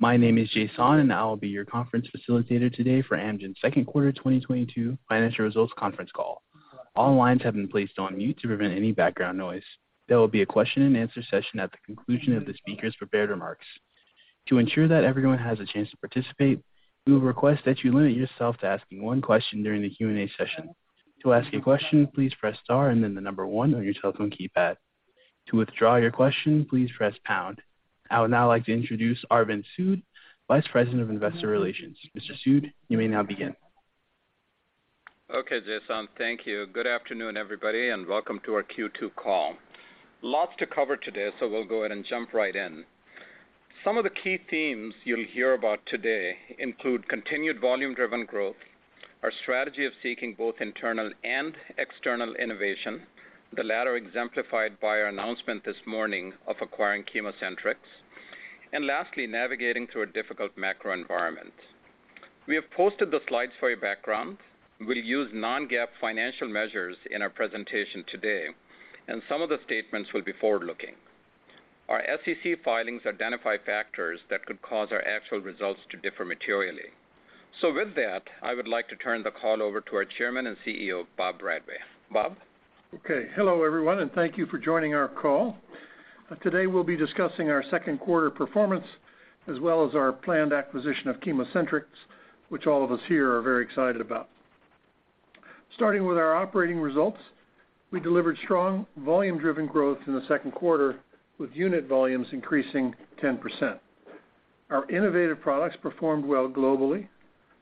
My name is Jason, and I will be your conference facilitator today for Amgen's second quarter 2022 financial results conference call. All lines have been placed on mute to prevent any background noise. There will be a question-and-answer session at the conclusion of the speakers' prepared remarks. To ensure that everyone has a chance to participate, we will request that you limit yourself to asking one question during the Q&A session. To ask a question, please press star and then the number one on your telephone keypad. To withdraw your question, please press pound. I would now like to introduce Arvind Sood, Vice President of Investor Relations. Mr. Sood, you may now begin. Okay, Jason. Thank you. Good afternoon, everybody, and welcome to our Q2 call. Lots to cover today, so we'll go ahead and jump right in. Some of the key themes you'll hear about today include continued volume-driven growth, our strategy of seeking both internal and external innovation, the latter exemplified by our announcement this morning of acquiring ChemoCentryx, and lastly, navigating through a difficult macro environment. We have posted the slides for your background. We'll use non-GAAP financial measures in our presentation today, and some of the statements will be forward-looking. Our SEC filings identify factors that could cause our actual results to differ materially. With that, I would like to turn the call over to our Chairman and CEO, Bob Bradway. Bob? Okay. Hello, everyone, and thank you for joining our call. Today, we'll be discussing our second quarter performance, as well as our planned acquisition of ChemoCentryx, which all of us here are very excited about. Starting with our operating results, we delivered strong volume-driven growth in the second quarter, with unit volumes increasing 10%. Our innovative products performed well globally.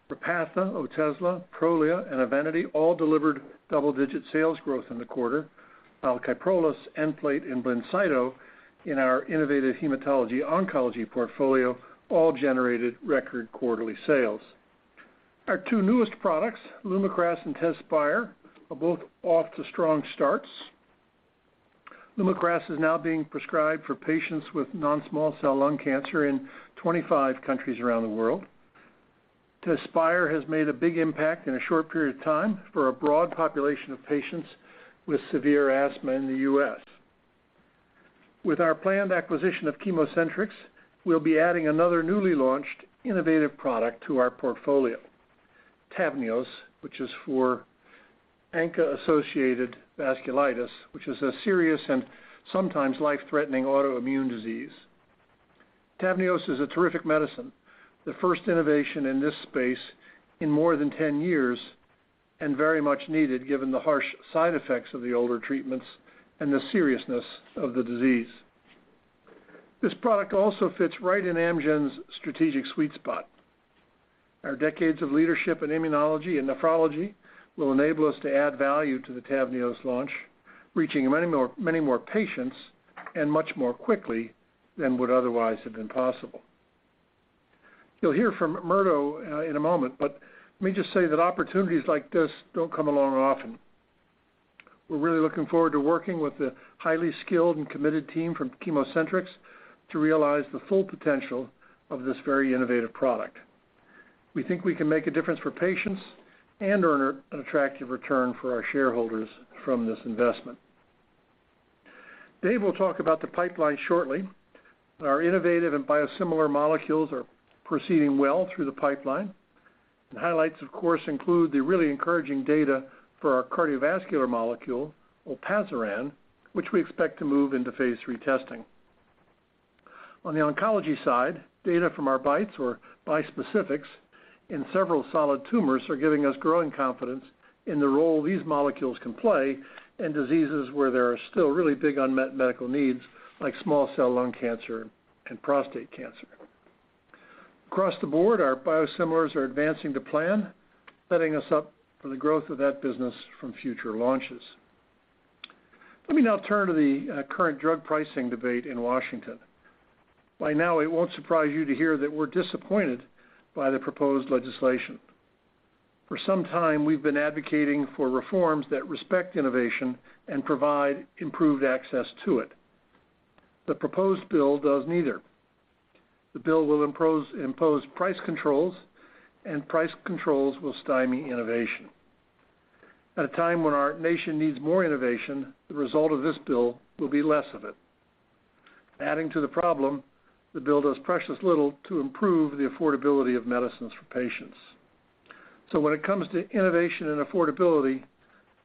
Repatha, Otezla, Prolia, and EVENITY all delivered double-digit sales growth in the quarter, while KYPROLIS, Nplate, and BLINCYTO in our innovative hematology oncology portfolio all generated record quarterly sales. Our two newest products, LUMAKRAS and TEZSPIRE, are both off to strong starts. LUMAKRAS is now being prescribed for patients with non-small cell lung cancer in 25 countries around the world. TEZSPIRE has made a big impact in a short period of time for a broad population of patients with severe asthma in the U.S. With our planned acquisition of ChemoCentryx, we'll be adding another newly launched innovative product to our portfolio, TAVNEOS, which is for ANCA-associated vasculitis, which is a serious and sometimes life-threatening autoimmune disease. TAVNEOS is a terrific medicine, the first innovation in this space in more than ten years, and very much needed given the harsh side effects of the older treatments and the seriousness of the disease. This product also fits right in Amgen's strategic sweet spot. Our decades of leadership in immunology and nephrology will enable us to add value to the TAVNEOS launch, reaching many more patients and much more quickly than would otherwise have been possible. You'll hear from Murdo in a moment, but let me just say that opportunities like this don't come along often. We're really looking forward to working with the highly skilled and committed team from ChemoCentryx to realize the full potential of this very innovative product. We think we can make a difference for patients and earn an attractive return for our shareholders from this investment. Dave will talk about the pipeline shortly, but our innovative and biosimilar molecules are proceeding well through the pipeline. The highlights, of course, include the really encouraging data for our cardiovascular molecule, Olpasiran, which we expect to move into phase III testing. On the oncology side, data from our BiTE, or bispecifics, in several solid tumors are giving us growing confidence in the role these molecules can play in diseases where there are still really big unmet medical needs, like small cell lung cancer and prostate cancer. Across the board, our biosimilars are advancing to plan, setting us up for the growth of that business from future launches. Let me now turn to the current drug pricing debate in Washington. By now, it won't surprise you to hear that we're disappointed by the proposed legislation. For some time, we've been advocating for reforms that respect innovation and provide improved access to it. The proposed bill does neither. The bill will impose price controls, and price controls will stymie innovation. At a time when our nation needs more innovation, the result of this bill will be less of it. Adding to the problem, the bill does precious little to improve the affordability of medicines for patients. When it comes to innovation and affordability,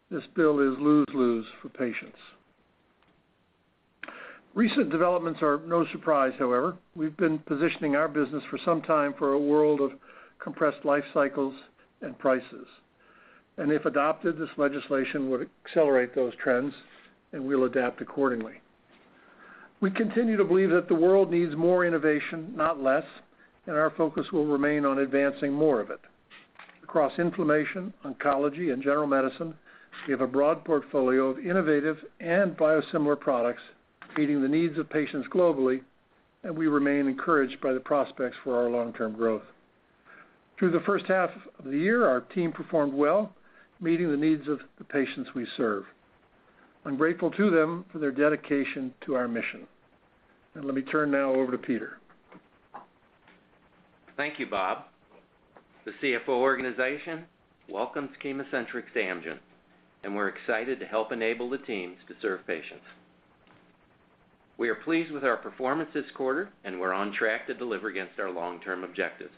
this bill is lose-lose for patients. Recent developments are of no surprise, however. We've been positioning our business for some time for a world of compressed life cycles and prices. If adopted, this legislation would accelerate those trends, and we'll adapt accordingly. We continue to believe that the world needs more innovation, not less, and our focus will remain on advancing more of it. Across inflammation, oncology, and general medicine, we have a broad portfolio of innovative and biosimilar products meeting the needs of patients globally, and we remain encouraged by the prospects for our long-term growth. Through the first half of the year, our team performed well, meeting the needs of the patients we serve. I'm grateful to them for their dedication to our mission. Let me turn now over to Peter. Thank you, Bob. The CFO organization welcomes ChemoCentryx to Amgen, and we're excited to help enable the teams to serve patients. We are pleased with our performance this quarter, and we're on track to deliver against our long-term objectives.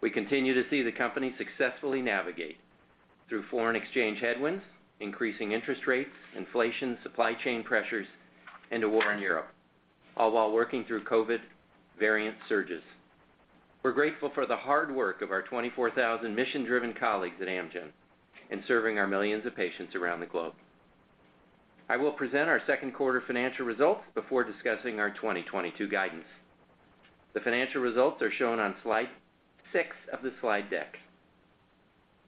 We continue to see the company successfully navigate through foreign exchange headwinds, increasing interest rates, inflation, supply chain pressures, and a war in Europe, all while working through COVID variant surges. We're grateful for the hard work of our 24,000 mission-driven colleagues at Amgen in serving our millions of patients around the globe. I will present our second quarter financial results before discussing our 2022 guidance. The financial results are shown on slide six of the slide deck.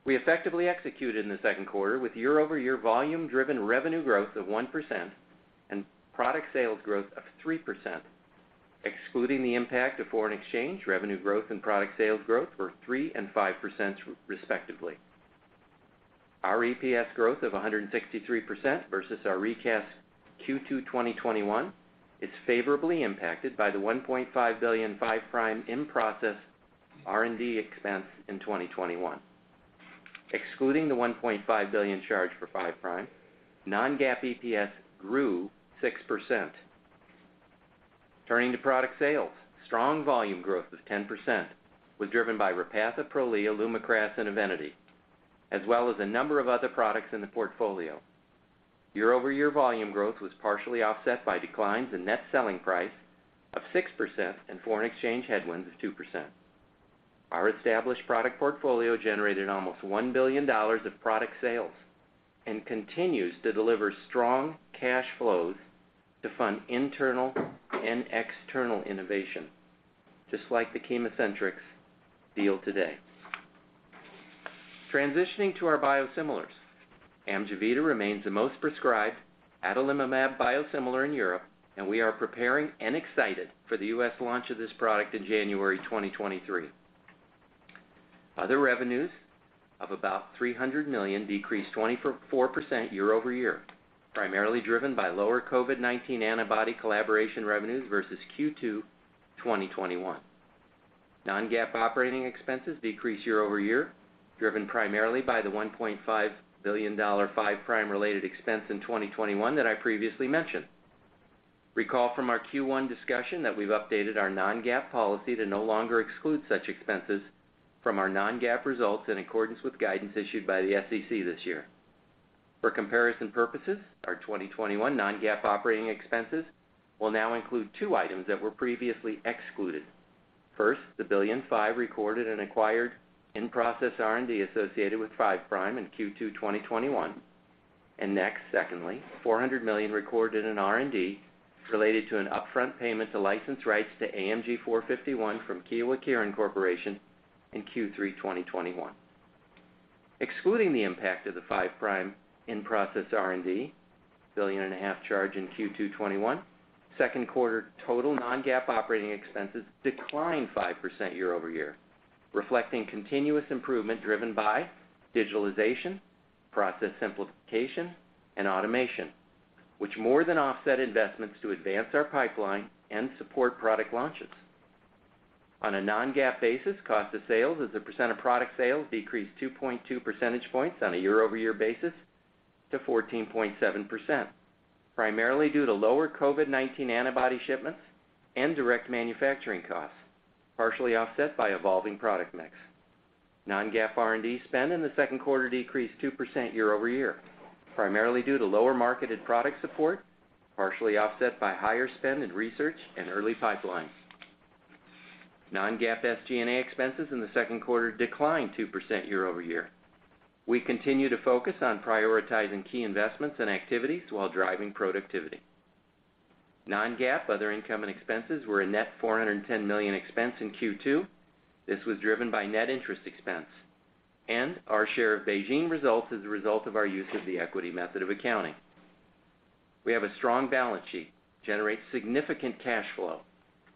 We effectively executed in the second quarter with year-over-year volume driven revenue growth of 1% and product sales growth of 3%. Excluding the impact of foreign exchange, revenue growth and product sales growth were 3% and 5%, respectively. Our EPS growth of 163% versus our recast Q2 2021 is favorably impacted by the $1.5 billion Five Prime in-process R&D expense in 2021. Excluding the $1.5 billion charge for Five Prime, non-GAAP EPS grew 6%. Turning to product sales, strong volume growth of 10% was driven by Repatha, Prolia, LUMAKRAS, and EVENITY, as well as a number of other products in the portfolio. Year-over-year volume growth was partially offset by declines in net selling price of 6% and foreign exchange headwinds of 2%. Our established product portfolio generated almost $1 billion of product sales and continues to deliver strong cash flows to fund internal and external innovation, just like the ChemoCentryx deal today. Transitioning to our biosimilars, AMJEVITA remains the most prescribed adalimumab biosimilar in Europe, and we are preparing and excited for the U.S. launch of this product in January 2023. Other revenues of about $300 million decreased 24% year-over-year, primarily driven by lower COVID-19 antibody collaboration revenues versus Q2 2021. Non-GAAP operating expenses decreased year-over-year, driven primarily by the $1.5 billion Five Prime related expense in 2021 that I previously mentioned. Recall from our Q1 discussion that we've updated our non-GAAP policy to no longer exclude such expenses from our non-GAAP results in accordance with guidance issued by the SEC this year. For comparison purposes, our 2021 non-GAAP operating expenses will now include two items that were previously excluded. First, the $1.5 billion recorded acquired in-process R&D associated with Five Prime in Q2 2021. Next, secondly, $400 million recorded in R&D related to an upfront payment to license rights to AMG 451 from Kyowa Kirin Co. in Q3 2021. Excluding the impact of the Five Prime in-process R&D $1.5 billion charge in Q2 2021, second quarter total non-GAAP operating expenses declined 5% year-over-year, reflecting continuous improvement driven by digitalization, process simplification, and automation, which more than offset investments to advance our pipeline and support product launches. On a non-GAAP basis, cost of sales as a percent of product sales decreased 2.2 percentage points on a year-over-year basis to 14.7%, primarily due to lower COVID-19 antibody shipments and direct manufacturing costs, partially offset by evolving product mix. Non-GAAP R&D spend in the second quarter decreased 2% year-over-year, primarily due to lower marketed product support, partially offset by higher spend in research and early pipelines. Non-GAAP SG&A expenses in the second quarter declined 2% year-over-year. We continue to focus on prioritizing key investments and activities while driving productivity. Non-GAAP other income and expenses were a net $410 million expense in Q2. This was driven by net interest expense and our share of BeiGene results as a result of our use of the equity method of accounting. We have a strong balance sheet, generate significant cash flow,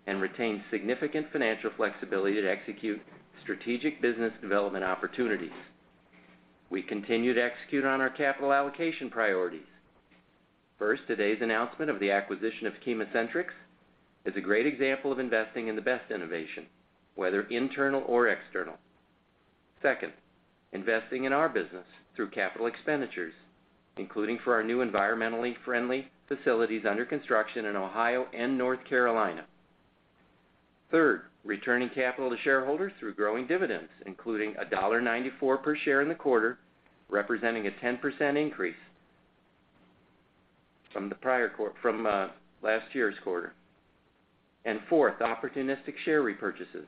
and retain significant financial flexibility to execute strategic business development opportunities. We continue to execute on our capital allocation priorities. First, today's announcement of the acquisition of ChemoCentryx is a great example of investing in the best innovation, whether internal or external. Second, investing in our business through capital expenditures, including for our new environmentally friendly facilities under construction in Ohio and North Carolina. Third, returning capital to shareholders through growing dividends, including $1.94 per share in the quarter, representing a 10% increase from last year's quarter. Fourth, opportunistic share repurchases.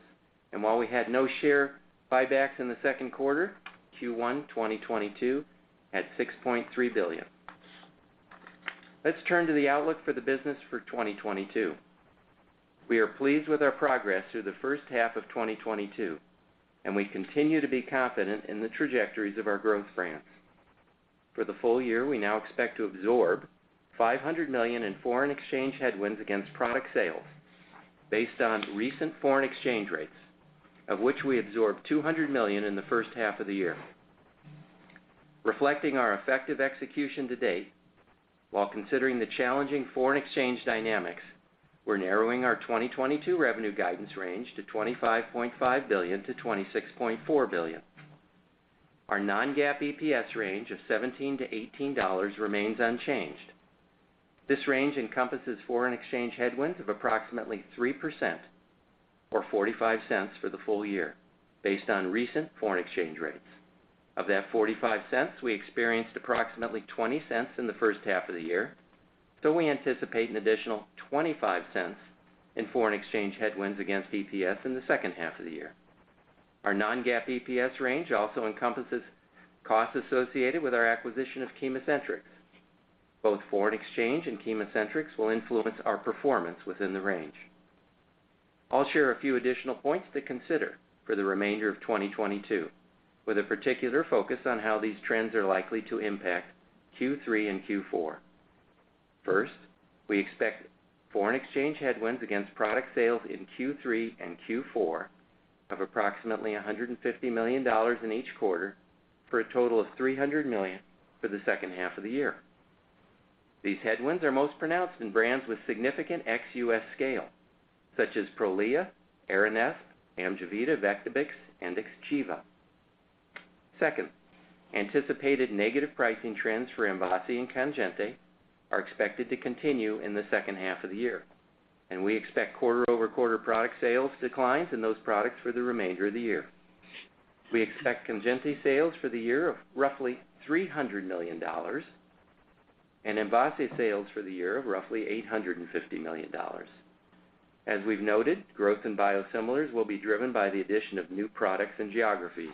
While we had no share buybacks in the second quarter, Q1 2022 had $6.3 billion. Let's turn to the outlook for the business for 2022. We are pleased with our progress through the first half of 2022, and we continue to be confident in the trajectories of our growth brands. For the full year, we now expect to absorb $500 million in foreign exchange headwinds against product sales based on recent foreign exchange rates, of which we absorbed $200 million in the first half of the year. Reflecting our effective execution to date, while considering the challenging foreign exchange dynamics, we're narrowing our 2022 revenue guidance range to $25.5 billion-$26.4 billion. Our non-GAAP EPS range of $17-$18 remains unchanged. This range encompasses foreign exchange headwinds of approximately 3% or $0.45 for the full year based on recent foreign exchange rates. Of that $0.45, we experienced approximately $0.20 in the first half of the year, so we anticipate an additional $0.25 in foreign exchange headwinds against EPS in the second half of the year. Our non-GAAP EPS range also encompasses costs associated with our acquisition of ChemoCentryx. Both foreign exchange and ChemoCentryx will influence our performance within the range. I'll share a few additional points to consider for the remainder of 2022, with a particular focus on how these trends are likely to impact Q3 and Q4. First, we expect foreign exchange headwinds against product sales in Q3 and Q4 of approximately $150 million in each quarter for a total of $300 million for the second half of the year. These headwinds are most pronounced in brands with significant ex U.S. scale, such as Prolia, Aranesp, AMJEVITA, Vectibix and XGEVA. Second, anticipated negative pricing trends for MVASI and KANJINTI are expected to continue in the second half of the year, and we expect quarter-over-quarter product sales declines in those products for the remainder of the year. We expect KANJINTI sales for the year of roughly $300 million and MVASI sales for the year of roughly $850 million. As we've noted, growth in biosimilars will be driven by the addition of new products and geographies,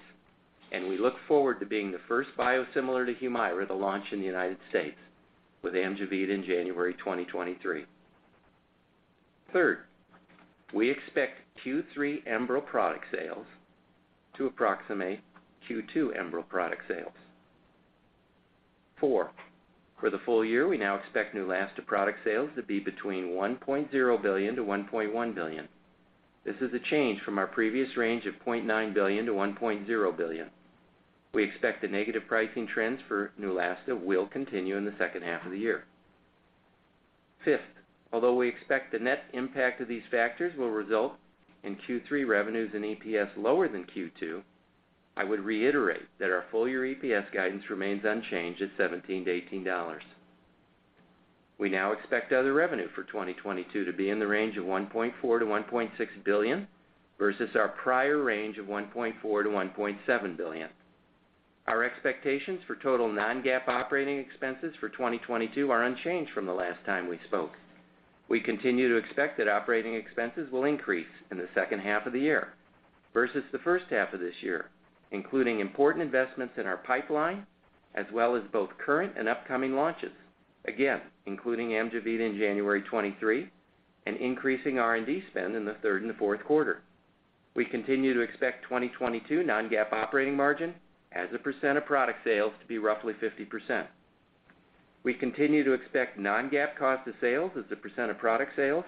and we look forward to being the first biosimilar to HUMIRA to launch in the United States with AMJEVITA in January 2023. Third, we expect Q3 ENBREL product sales to approximate Q2 ENBREL product sales. Four, for the full year, we now expect Neulasta product sales to be between $1.0 billion-$1.1 billion. This is a change from our previous range of $0.9 billion-$1.0 billion. We expect the negative pricing trends for Neulasta will continue in the second half of the year. Fifth, although we expect the net impact of these factors will result in Q3 revenues and EPS lower than Q2, I would reiterate that our full-year EPS guidance remains unchanged at $17-$18. We now expect other revenue for 2022 to be in the range of $1.4 billion-$1.6 billion versus our prior range of $1.4 billion-$1.7 billion. Our expectations for total non-GAAP operating expenses for 2022 are unchanged from the last time we spoke. We continue to expect that operating expenses will increase in the second half of the year versus the first half of this year, including important investments in our pipeline as well as both current and upcoming launches, again, including AMJEVITA in January 2023 and increasing R&D spend in the third and the fourth quarter. We continue to expect 2022 non-GAAP operating margin as a percent of product sales to be roughly 50%. We continue to expect non-GAAP cost of sales as a percent of product sales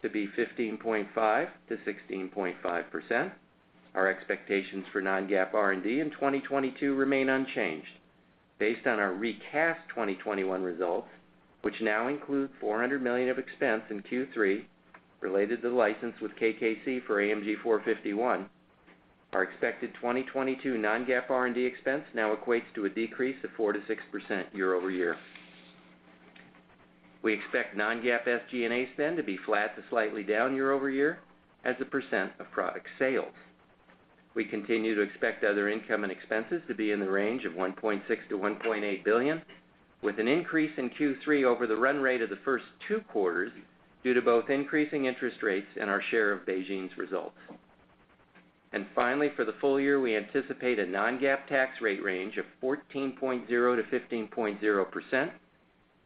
to be 15.5%-16.5%. Our expectations for non-GAAP R&D in 2022 remain unchanged based on our recast 2021 results, which now include $400 million of expense in Q3 related to the license with KKC for AMG 451. Our expected 2022 non-GAAP R&D expense now equates to a decrease of 4%-6% year-over-year. We expect non-GAAP SG&A spend to be flat to slightly down year-over-year as a percent of product sales. We continue to expect other income and expenses to be in the range of $1.6 billion-$1.8 billion, with an increase in Q3 over the run rate of the first two quarters due to both increasing interest rates and our share of BeiGene's results. Finally, for the full year, we anticipate a non-GAAP tax rate range of 14.0%-15.0%,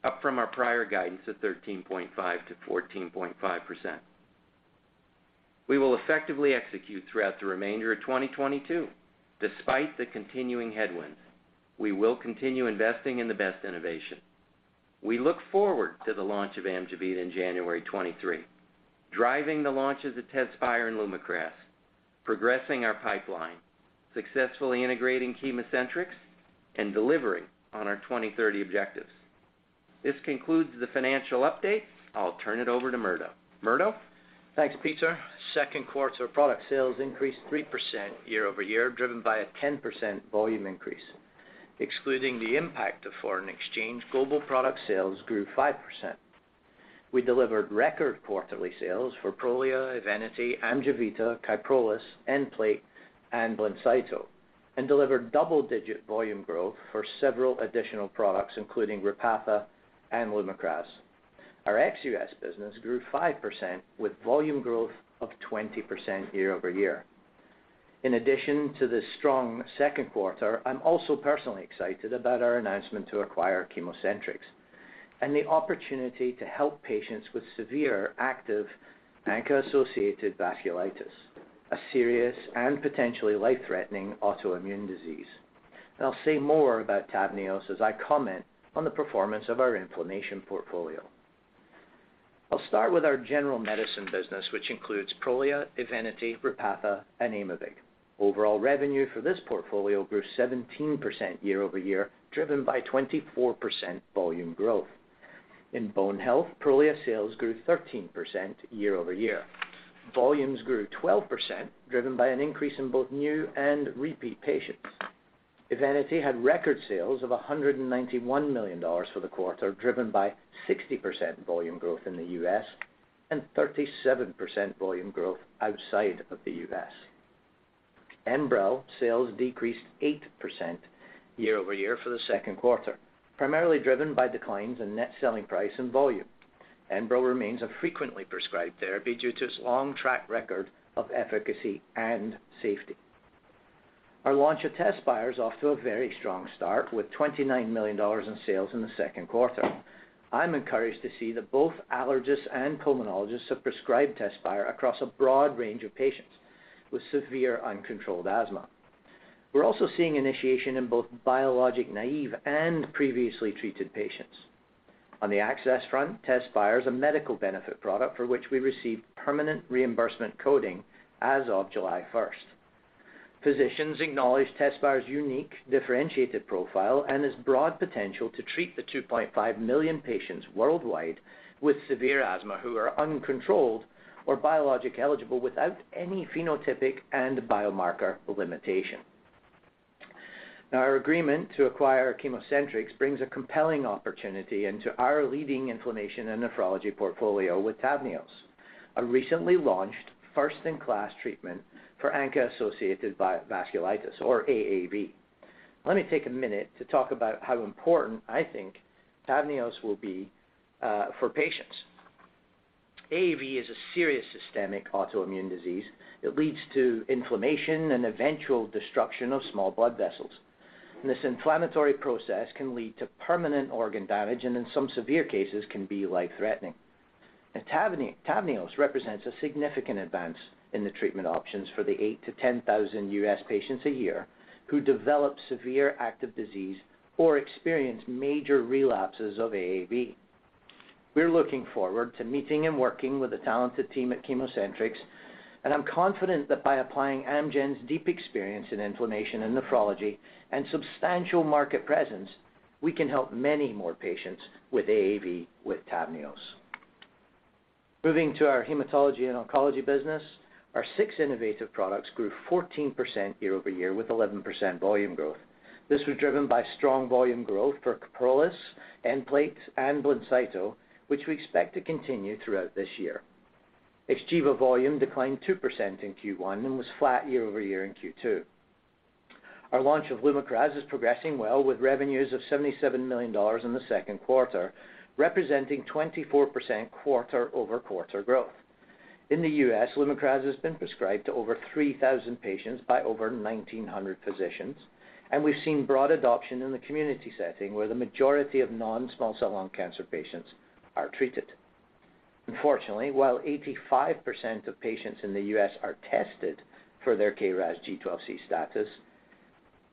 up from our prior guidance of 13.5%-14.5%. We will effectively execute throughout the remainder of 2022, despite the continuing headwinds. We will continue investing in the best innovation. We look forward to the launch of AMJEVITA in January 2023, driving the launches of TEZSPIRE and LUMAKRAS, progressing our pipeline, successfully integrating ChemoCentryx, and delivering on our 2030 objectives. This concludes the financial update. I'll turn it over to Murdo. Murdo? Thanks, Peter. Second quarter product sales increased 3% year-over-year, driven by a 10% volume increase. Excluding the impact of foreign exchange, global product sales grew 5%. We delivered record quarterly sales for Prolia, EVENITY, AMJEVITA, KYPROLIS, Nplate and BLINCYTO, and delivered double-digit volume growth for several additional products, including Repatha and LUMAKRAS. Our ex-U.S. business grew 5% with volume growth of 20% year-over-year. In addition to the strong second quarter, I'm also personally excited about our announcement to acquire ChemoCentryx and the opportunity to help patients with severe active ANCA-associated vasculitis, a serious and potentially life-threatening autoimmune disease. I'll say more about TAVNEOS as I comment on the performance of our inflammation portfolio. I'll start with our general medicine business, which includes Prolia, EVENITY, Repatha, and Aimovig. Overall revenue for this portfolio grew 17% year-over-year, driven by 24% volume growth. In bone health, Prolia sales grew 13% year-over-year. Volumes grew 12%, driven by an increase in both new and repeat patients. EVENITY had record sales of $191 million for the quarter, driven by 60% volume growth in the U.S. and 37% volume growth outside of the U.S. Enbrel sales decreased 8% year-over-year for the second quarter, primarily driven by declines in net selling price and volume. Enbrel remains a frequently prescribed therapy due to its long track record of efficacy and safety. Our launch of TEZSPIRE is off to a very strong start with $29 million in sales in the second quarter. I'm encouraged to see that both allergists and pulmonologists have prescribed TEZSPIRE across a broad range of patients with severe uncontrolled asthma. We're also seeing initiation in both biologic, naive, and previously treated patients. On the access front, TEZSPIRE is a medical benefit product for which we received permanent reimbursement coding as of July 1. Physicians acknowledge TEZSPIRE's unique differentiated profile and its broad potential to treat the 2.5 million patients worldwide with severe asthma who are uncontrolled or biologic-eligible without any phenotypic and biomarker limitation. Now, our agreement to acquire ChemoCentryx brings a compelling opportunity into our leading inflammation and nephrology portfolio with TAVNEOS, a recently launched first-in-class treatment for ANCA-associated vasculitis or AAV. Let me take a minute to talk about how important I think TAVNEOS will be, for patients. AAV is a serious systemic autoimmune disease that leads to inflammation and eventual destruction of small blood vessels. This inflammatory process can lead to permanent organ damage, and in some severe cases can be life-threatening. TAVNEOS represents a significant advance in the treatment options for the 8,000-10,000 U.S. patients a year who develop severe active disease or experience major relapses of AAV. We're looking forward to meeting and working with the talented team at ChemoCentryx, and I'm confident that by applying Amgen's deep experience in inflammation and nephrology and substantial market presence, we can help many more patients with AAV with TAVNEOS. Moving to our hematology and oncology business, our six innovative products grew 14% year-over-year with 11% volume growth. This was driven by strong volume growth for KYPROLIS, Nplate, and BLINCYTO, which we expect to continue throughout this year. XGEVA volume declined 2% in Q1 and was flat year-over-year in Q2. Our launch of LUMAKRAS is progressing well, with revenues of $77 million in the second quarter, representing 24% quarter-over-quarter growth. In the U.S., LUMAKRAS has been prescribed to over 3,000 patients by over 1,900 physicians, and we've seen broad adoption in the community setting where the majority of non-small cell lung cancer patients are treated. Unfortunately, while 85% of patients in the U.S. are tested for their KRAS G12C status,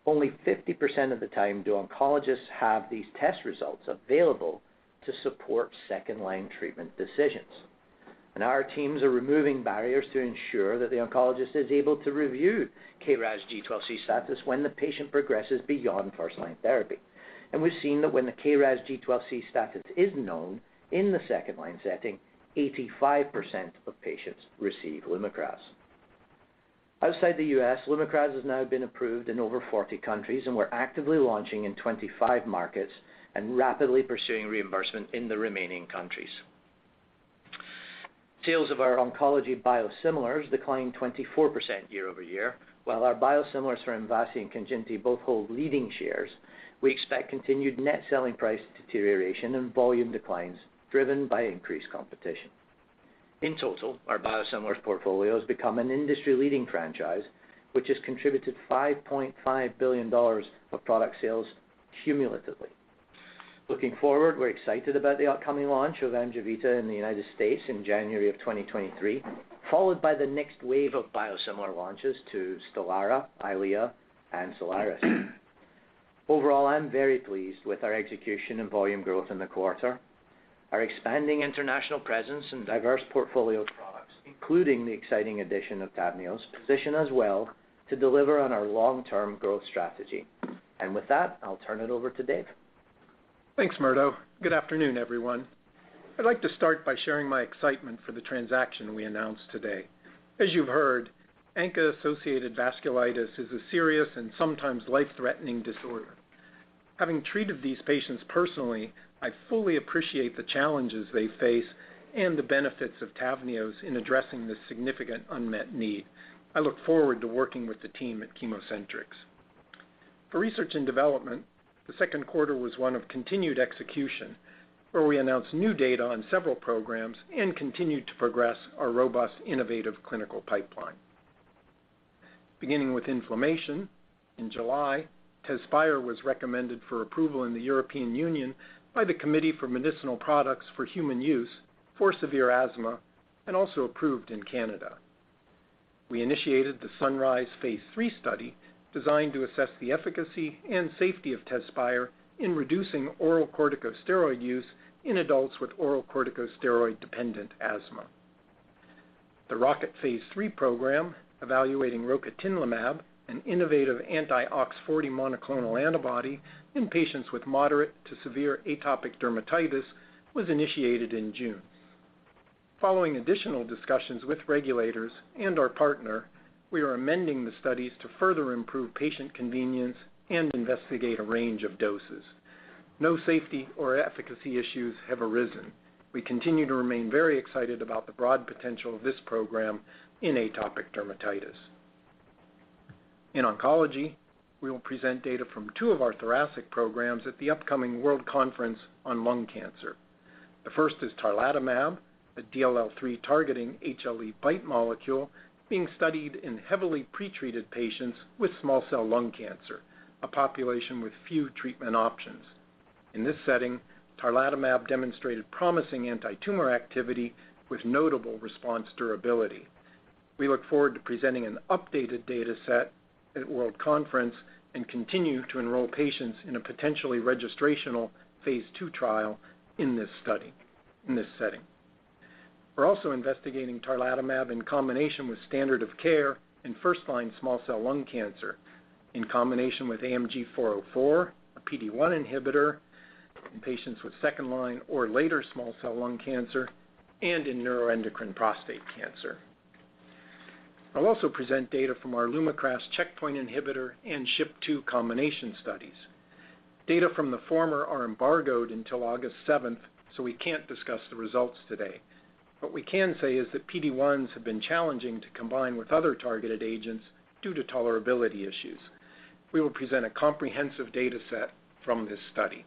only 50% of the time do oncologists have these test results available to support second-line treatment decisions. Our teams are removing barriers to ensure that the oncologist is able to review KRAS G12C status when the patient progresses beyond first-line therapy. We've seen that when the KRAS G12C status is known in the second line setting, 85% of patients receive LUMAKRAS. Outside the U.S., LUMAKRAS has now been approved in over 40 countries, and we're actively launching in 25 markets and rapidly pursuing reimbursement in the remaining countries. Sales of our oncology biosimilars declined 24% year-over-year. While our biosimilars for MVASI and KANJINTI both hold leading shares, we expect continued net selling price deterioration and volume declines driven by increased competition. In total, our biosimilars portfolio has become an industry-leading franchise, which has contributed $5.5 billion of product sales cumulatively. Looking forward, we're excited about the upcoming launch of AMJEVITA in the United States in January 2023, followed by the next wave of biosimilar launches to STELARA, EYLEA, and Soliris. Overall, I'm very pleased with our execution and volume growth in the quarter. Our expanding international presence and diverse portfolio of products, including the exciting addition of TAVNEOS, position us well to deliver on our long-term growth strategy. With that, I'll turn it over to Dave. Thanks, Murdo. Good afternoon, everyone. I'd like to start by sharing my excitement for the transaction we announced today. As you've heard, ANCA-associated vasculitis is a serious and sometimes life-threatening disorder. Having treated these patients personally, I fully appreciate the challenges they face and the benefits of TAVNEOS in addressing this significant unmet need. I look forward to working with the team at ChemoCentryx. For research and development, the second quarter was one of continued execution, where we announced new data on several programs and continued to progress our robust, innovative clinical pipeline. Beginning with inflammation, in July, TEZSPIRE was recommended for approval in the European Union by the Committee for Medicinal Products for Human Use for severe asthma and also approved in Canada. We initiated the SUNRISE phase III study designed to assess the efficacy and safety of TEZSPIRE in reducing oral corticosteroid use in adults with oral corticosteroid-dependent asthma. The ROCKET phase III program evaluating rocatinlimab, an innovative anti-OX40 monoclonal antibody in patients with moderate-to-severe atopic dermatitis, was initiated in June. Following additional discussions with regulators and our partner, we are amending the studies to further improve patient convenience and investigate a range of doses. No safety or efficacy issues have arisen. We continue to remain very excited about the broad potential of this program in atopic dermatitis. In oncology, we will present data from two of our thoracic programs at the upcoming World Conference on Lung Cancer. The first is tarlatamab, a DLL3-targeting HLE BiTE molecule being studied in heavily pretreated patients with small cell lung cancer, a population with few treatment options. In this setting, tarlatamab demonstrated promising antitumor activity with notable response durability. We look forward to presenting an updated data set at World Conference and continue to enroll patients in a potentially registrational phase II trial in this study, in this setting. We're also investigating tarlatamab in combination with standard of care in first-line small cell lung cancer in combination with AMG 404, a PD-1 inhibitor in patients with second-line or later small cell lung cancer, and in neuroendocrine prostate cancer. I'll also present data from our LUMAKRAS checkpoint inhibitor and SHP2 combination studies. Data from the former are embargoed until August seventh, so we can't discuss the results today. What we can say is that PD-1s have been challenging to combine with other targeted agents due to tolerability issues. We will present a comprehensive data set from this study.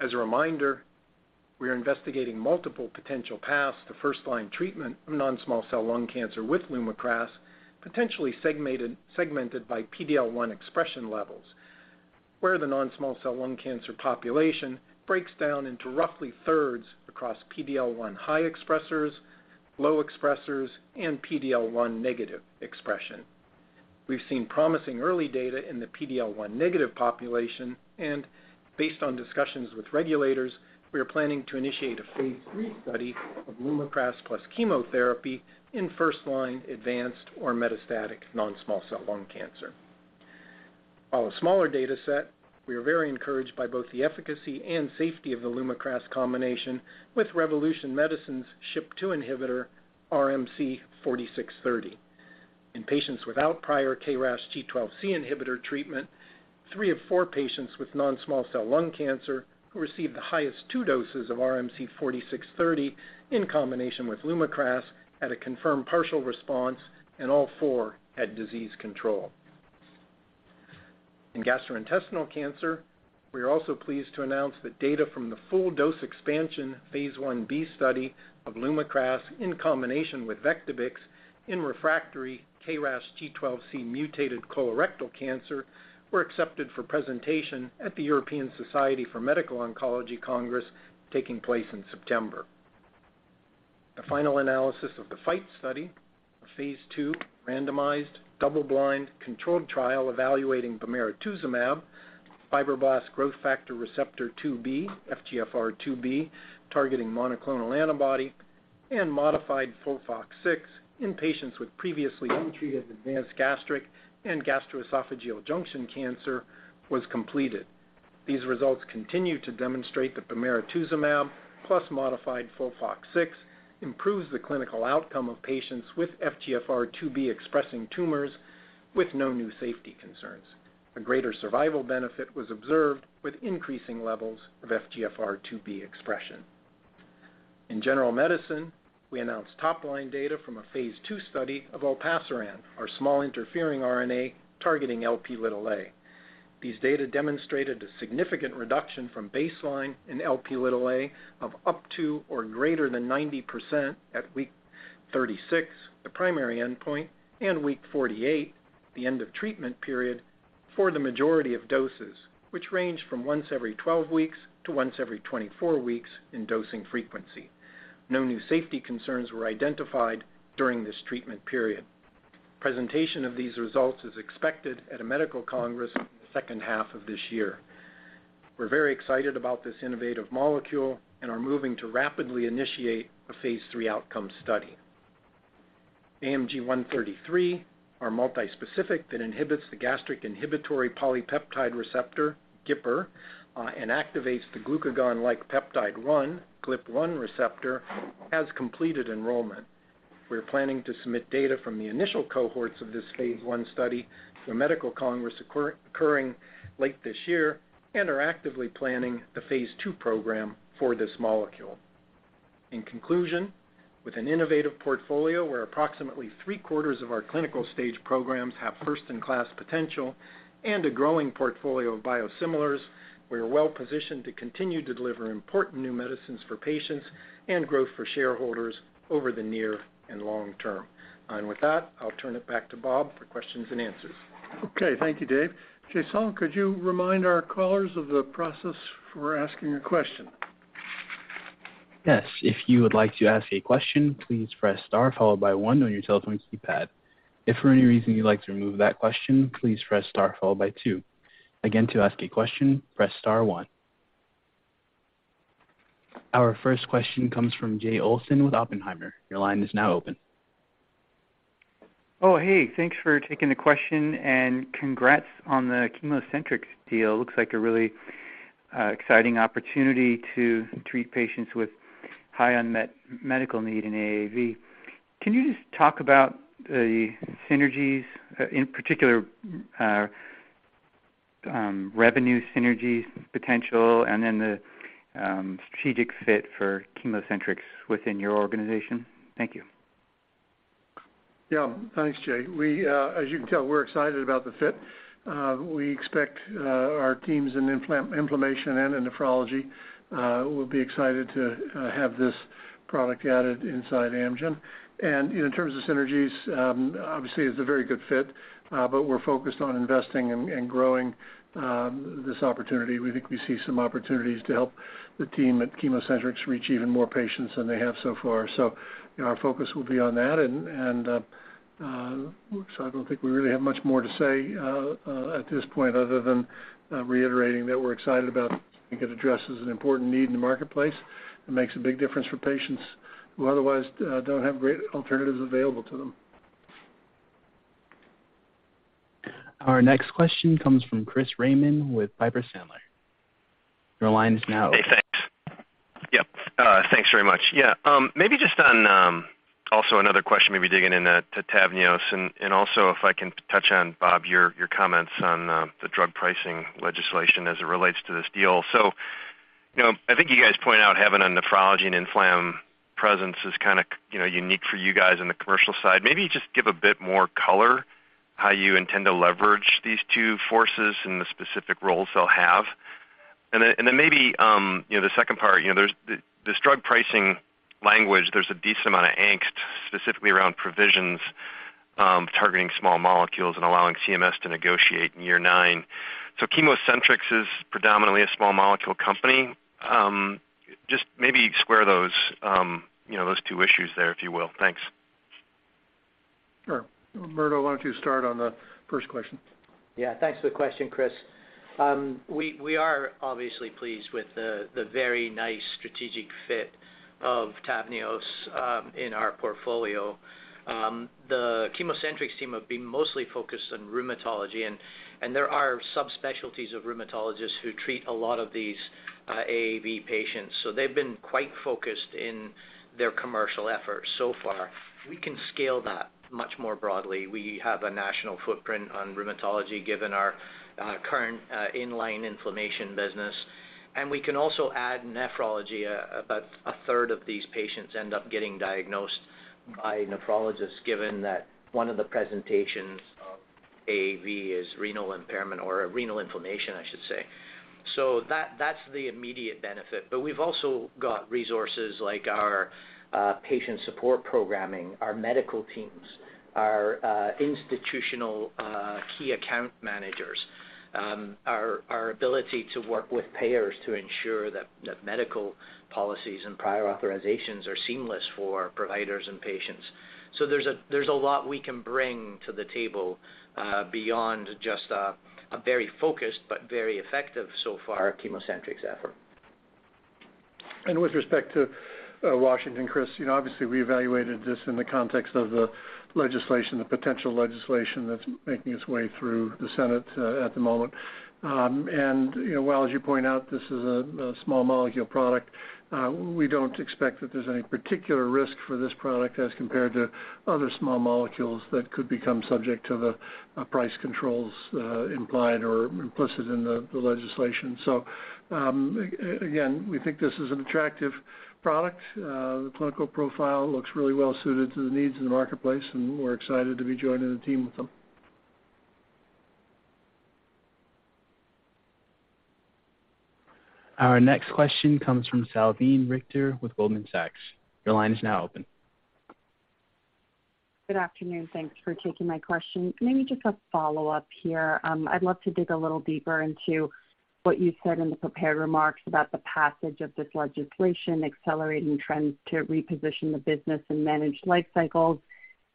As a reminder, we are investigating multiple potential paths to first-line treatment of non-small cell lung cancer with LUMAKRAS, potentially segmented by PD-L1 expression levels, where the non-small cell lung cancer population breaks down into roughly thirds across PD-L1 high expressers, low expressers, and PD-L1 negative expression. We've seen promising early data in the PD-L1 negative population, and based on discussions with regulators, we are planning to initiate a phase III study of LUMAKRAS plus chemotherapy in first-line advanced or metastatic non-small cell lung cancer. While a smaller data set, we are very encouraged by both the efficacy and safety of the LUMAKRAS combination with Revolution Medicines SHP2 inhibitor, RMC-4630. In patients without prior KRAS G12C inhibitor treatment, three of four patients with non-small cell lung cancer who received the highest two doses of RMC-4630 in combination with LUMAKRAS had a confirmed partial response, and all four had disease control. In gastrointestinal cancer, we are also pleased to announce that data from the full dose expansion Phase I-b study of LUMAKRAS in combination with Vectibix in refractory KRAS G12C mutated colorectal cancer were accepted for presentation at the European Society for Medical Oncology Congress taking place in September. The final analysis of the FIGHT study, a phase II randomized double-blind controlled trial evaluating bemarituzumab, FGFR2b targeting monoclonal antibody and modified FOLFOX6 in patients with previously untreated advanced gastric and gastroesophageal junction cancer was completed. These results continue to demonstrate that Bemarituzumab plus modified FOLFOX6 improves the clinical outcome of patients with FGFR2b expressing tumors with no new safety concerns. A greater survival benefit was observed with increasing levels of FGFR2b expression. In general medicine, we announced top-line data from a phase II study of Olpasiran, our small interfering RNA targeting Lp(a). These data demonstrated a significant reduction from baseline in Lp(a) of up to or greater than 90% at week 36, the primary endpoint, and week 48, the end of treatment period, for the majority of doses, which range from once every 12 weeks to once every 24 weeks in dosing frequency. No new safety concerns were identified during this treatment period. Presentation of these results is expected at a medical congress in the second half of this year. We're very excited about this innovative molecule and are moving to rapidly initiate a phase III outcome study. AMG 133 is multi-specific that inhibits the gastric inhibitory polypeptide receptor, GIPR, and activates the glucagon-like peptide one, GLP-1 receptor, has completed enrollment. We're planning to submit data from the initial cohorts of this phase I study to a medical congress occurring late this year and are actively planning the phase II program for this molecule. In conclusion, with an innovative portfolio where approximately three-quarters of our clinical stage programs have first-in-class potential and a growing portfolio of biosimilars, we are well positioned to continue to deliver important new medicines for patients and growth for shareholders over the near and long term. With that, I'll turn it back to Bob for questions and answers. Okay. Thank you, Dave. Jason, could you remind our callers of the process for asking a question? Yes. If you would like to ask a question, please press star followed by one on your telephone keypad. If for any reason you'd like to remove that question, please press star followed by two. Again, to ask a question, press star one. Our first question comes from Jay Olson with Oppenheimer. Your line is now open. Oh, hey, thanks for taking the question and congrats on the ChemoCentryx deal. Looks like a really exciting opportunity to treat patients with high unmet medical need in AAV. Can you just talk about the synergies, in particular, revenue synergies potential and then the strategic fit for ChemoCentryx within your organization? Thank you. Yeah. Thanks, Jay. We, as you can tell, we're excited about the fit. We expect our teams in inflammation and in nephrology will be excited to have this product added inside Amgen. In terms of synergies, obviously, it's a very good fit, but we're focused on investing and growing this opportunity. We think we see some opportunities to help the team at ChemoCentryx reach even more patients than they have so far. You know, our focus will be on that. I don't think we really have much more to say at this point other than reiterating that we're excited about it addresses an important need in the marketplace and makes a big difference for patients who otherwise don't have great alternatives available to them. Our next question comes from Chris Raymond with Piper Sandler. Your line is now open. Hey, thanks. Yep, thanks very much. Yeah, maybe just on also another question, maybe digging into TAVNEOS, and also if I can touch on, Bob, your comments on the drug pricing legislation as it relates to this deal. You know, I think you guys point out having a nephrology and inflammatory presence is kind of unique for you guys in the commercial side. Maybe just give a bit more color how you intend to leverage these two forces and the specific roles they'll have. Then maybe the second part, you know, there's this drug pricing language, there's a decent amount of angst, specifically around provisions targeting small molecules and allowing CMS to negotiate in year nine. ChemoCentryx is predominantly a small molecule company. Just maybe square those, you know, those two issues there, if you will. Thanks. Sure. Murdo, why don't you start on the first question? Yeah. Thanks for the question, Chris. We are obviously pleased with the very nice strategic fit of TAVNEOS in our portfolio. The ChemoCentryx team have been mostly focused on rheumatology, and there are subspecialties of rheumatologists who treat a lot of these AAV patients. They've been quite focused in their commercial efforts so far. We can scale that much more broadly. We have a national footprint on rheumatology given our current inline inflammation business. We can also add nephrology, about a third of these patients end up getting diagnosed by nephrologists given that one of the presentations of AAV is renal impairment or renal inflammation, I should say. That's the immediate benefit. We've also got resources like our patient support programming, our medical teams, our institutional key account managers, our ability to work with payers to ensure that medical policies and prior authorizations are seamless for providers and patients. There's a lot we can bring to the table beyond just a very focused but very effective so far ChemoCentryx effort. With respect to Washington, Chris, you know, obviously we evaluated this in the context of the legislation, the potential legislation that's making its way through the Senate at the moment. You know, while as you point out, this is a small molecule product, we don't expect that there's any particular risk for this product as compared to other small molecules that could become subject to the price controls implied or implicit in the legislation. So, again, we think this is an attractive product. The clinical profile looks really well suited to the needs of the marketplace, and we're excited to be joining the team with them. Our next question comes from Salveen Richter with Goldman Sachs. Your line is now open. Good afternoon. Thanks for taking my question. Maybe just a follow-up here. I'd love to dig a little deeper into what you said in the prepared remarks about the passage of this legislation accelerating trends to reposition the business and manage life cycles.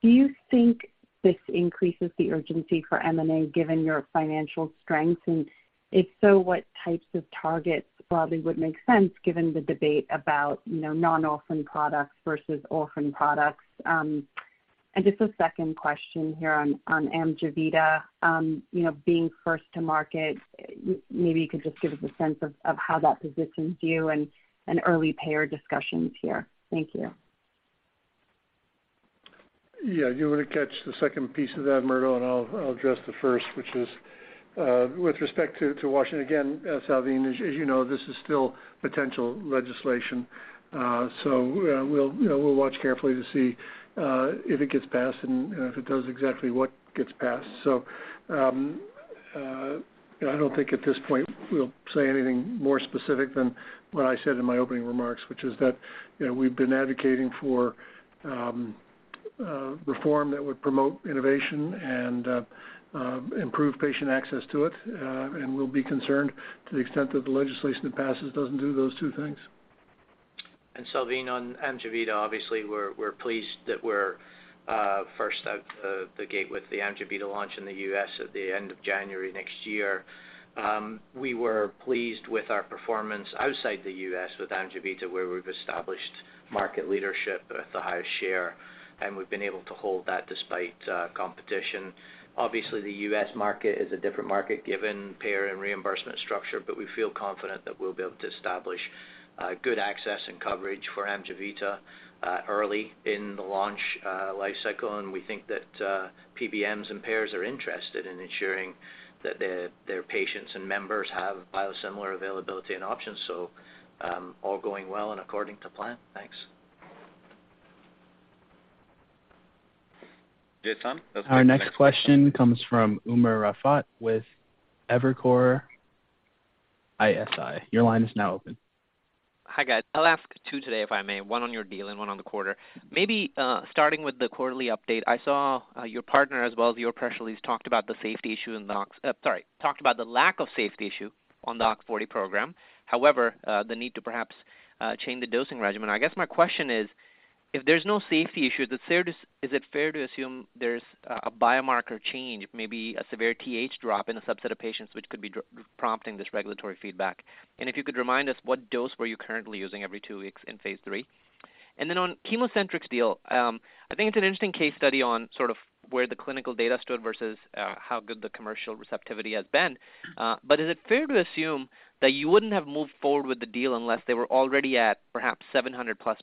Do you think this increases the urgency for M&A given your financial strength? And if so, what types of targets broadly would make sense given the debate about, you know, non-orphan products versus orphan products? Just a second question here on AMJEVITA. You know, being first to market, maybe you could just give us a sense of how that positions you and early payer discussions here. Thank you. Yeah. You want to catch the second piece of that, Murdo, and I'll address the first, which is with respect to Washington. Again, Salveen, as you know, this is still potential legislation. We'll, you know, watch carefully to see if it gets passed and if it does exactly what gets passed. You know, I don't think at this point we'll say anything more specific than what I said in my opening remarks, which is that, you know, we've been advocating for reform that would promote innovation and improve patient access to it, and we'll be concerned to the extent that the legislation that passes doesn't do those two things. Salveen, on AMJEVITA, obviously, we're pleased that we're first out the gate with the AMJEVITA launch in the U.S. at the end of January next year. We were pleased with our performance outside the U.S. with AMJEVITA, where we've established market leadership with the highest share, and we've been able to hold that despite competition. Obviously, the U.S. market is a different market given payer and reimbursement structure, but we feel confident that we'll be able to establish good access and coverage for AMJEVITA early in the launch life cycle. We think that PBMs and payers are interested in ensuring that their patients and members have biosimilar availability and options, so all going well and according to plan. Thanks. Yeah, Tom. Our next question comes from Umer Raffat with Evercore ISI. Your line is now open. Hi, guys. I'll ask two today, if I may, one on your deal and one on the quarter. Maybe starting with the quarterly update, I saw your partner as well as your press release talked about the lack of safety issue on the OX40 program. However, the need to perhaps change the dosing regimen. I guess my question is, if there's no safety issue, is it fair to assume there's a biomarker change, maybe a severe Th drop in a subset of patients which could be prompting this regulatory feedback? And if you could remind us what dose were you currently using every two weeks in phase III. On ChemoCentryx deal, I think it's an interesting case study on sort of where the clinical data stood versus how good the commercial receptivity has been. But is it fair to assume that you wouldn't have moved forward with the deal unless they were already at perhaps 700+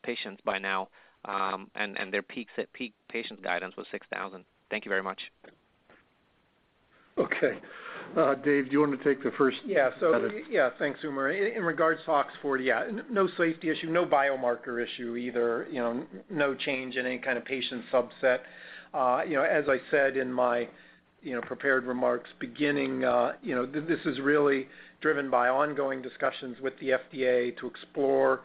patients by now, and their peaks at peak patient guidance was 6,000? Thank you very much. Okay. Dave, do you want to take the first? Yeah. Thanks, Umer. In regards to OX40, yeah, no safety issue, no biomarker issue either, you know, no change in any kind of patient subset. You know, as I said in my prepared remarks beginning, this is really driven by ongoing discussions with the FDA to explore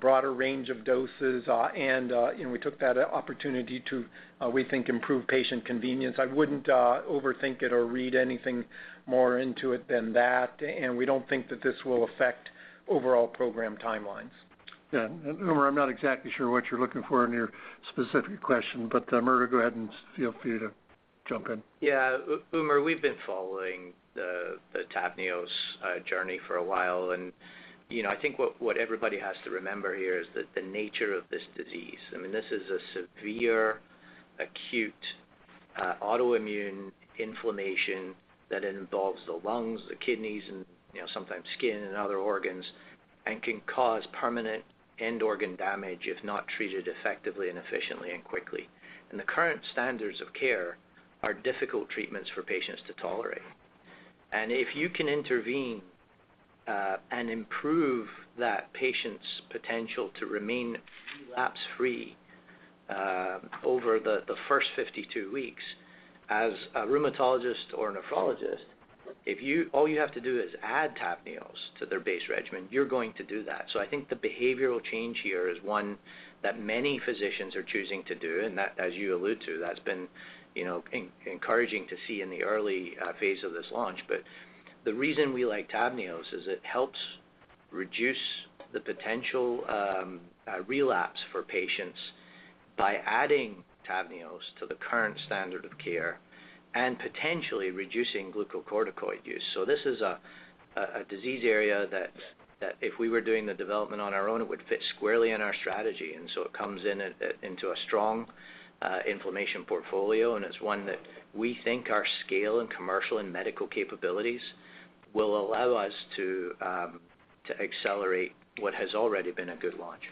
broader range of doses, and we took that opportunity to, we think, improve patient convenience. I wouldn't overthink it or read anything more into it than that, and we don't think that this will affect overall program timelines. Yeah. Umer, I'm not exactly sure what you're looking for in your specific question, but, Murdo, go ahead and feel free to jump in. Yeah. Umer, we've been following the TAVNEOS journey for a while. You know, I think what everybody has to remember here is the nature of this disease. I mean, this is a severe acute autoimmune inflammation that involves the lungs, the kidneys, and, you know, sometimes skin and other organs, and can cause permanent end organ damage if not treated effectively and efficiently and quickly. The current standards of care are difficult treatments for patients to tolerate. If you can intervene and improve that patient's potential to remain relapse-free over the first 52 weeks as a rheumatologist or a nephrologist, all you have to do is add TAVNEOS to their base regimen, you're going to do that. I think the behavioral change here is one that many physicians are choosing to do, and that, as you allude to, that's been, you know, encouraging to see in the early phase of this launch. The reason we like TAVNEOS is it helps reduce the potential relapse for patients by adding TAVNEOS to the current standard of care and potentially reducing glucocorticoid use. This is a disease area that if we were doing the development on our own, it would fit squarely in our strategy. It comes into a strong inflammation portfolio, and it's one that we think our scale and commercial and medical capabilities will allow us to accelerate what has already been a good launch.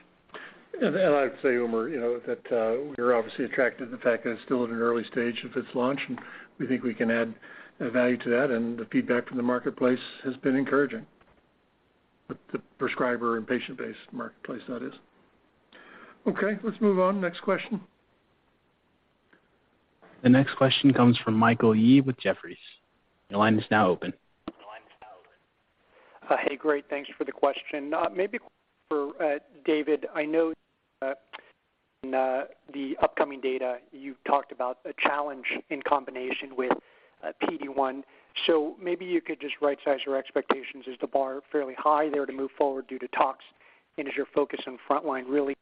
I'd say, Umer, you know, that we're obviously attracted to the fact that it's still at an early stage of its launch, and we think we can add value to that, and the feedback from the marketplace has been encouraging. The prescriber and patient-based marketplace, that is. Okay, let's move on. Next question. The next question comes from Michael Yee with Jefferies. Your line is now open. Hey. Great. Thanks for the question. Maybe for David, I know in the upcoming data, you've talked about a challenge in combination with PD-1. Maybe you could just right-size your expectations. Is the bar fairly high there to move forward due to tox? Is your focus on frontline really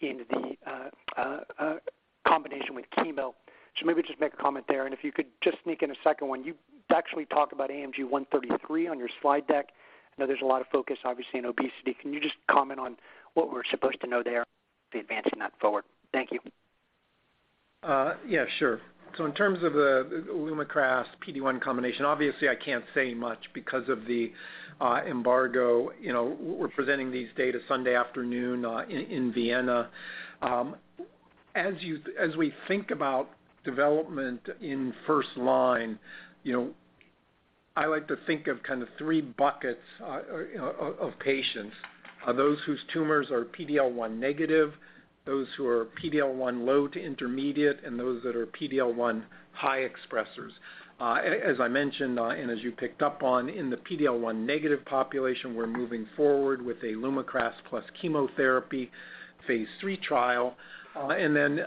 in the combination with chemo? Maybe just make a comment there. If you could just sneak in a second one. You actually talked about AMG 133 on your slide deck. I know there's a lot of focus, obviously, on obesity. Can you just comment on what we're supposed to know there, the advance in that forward? Thank you. Yeah, sure. In terms of LUMAKRAS PD-1 combination, obviously I can't say much because of the embargo. You know, we're presenting these data Sunday afternoon in Vienna. As we think about development in first line, you know. I like to think of kind of three buckets, you know, of patients. Those whose tumors are PD-L1 negative, those who are PD-L1 low to intermediate, and those that are PD-L1 high expressers. As I mentioned, and as you picked up on, in the PD-L1 negative population, we're moving forward with a LUMAKRAS plus chemotherapy phase III trial. Then,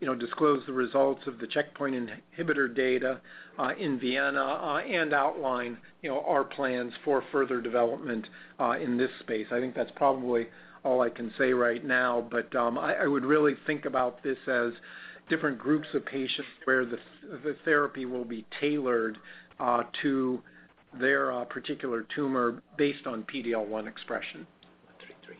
you know, we will disclose the results of the checkpoint inhibitor data, in Vienna, and outline, you know, our plans for further development, in this space. I think that's probably all I can say right now, but I would really think about this as different groups of patients where the therapy will be tailored to their particular tumor based on PD-L1 expression. One three three.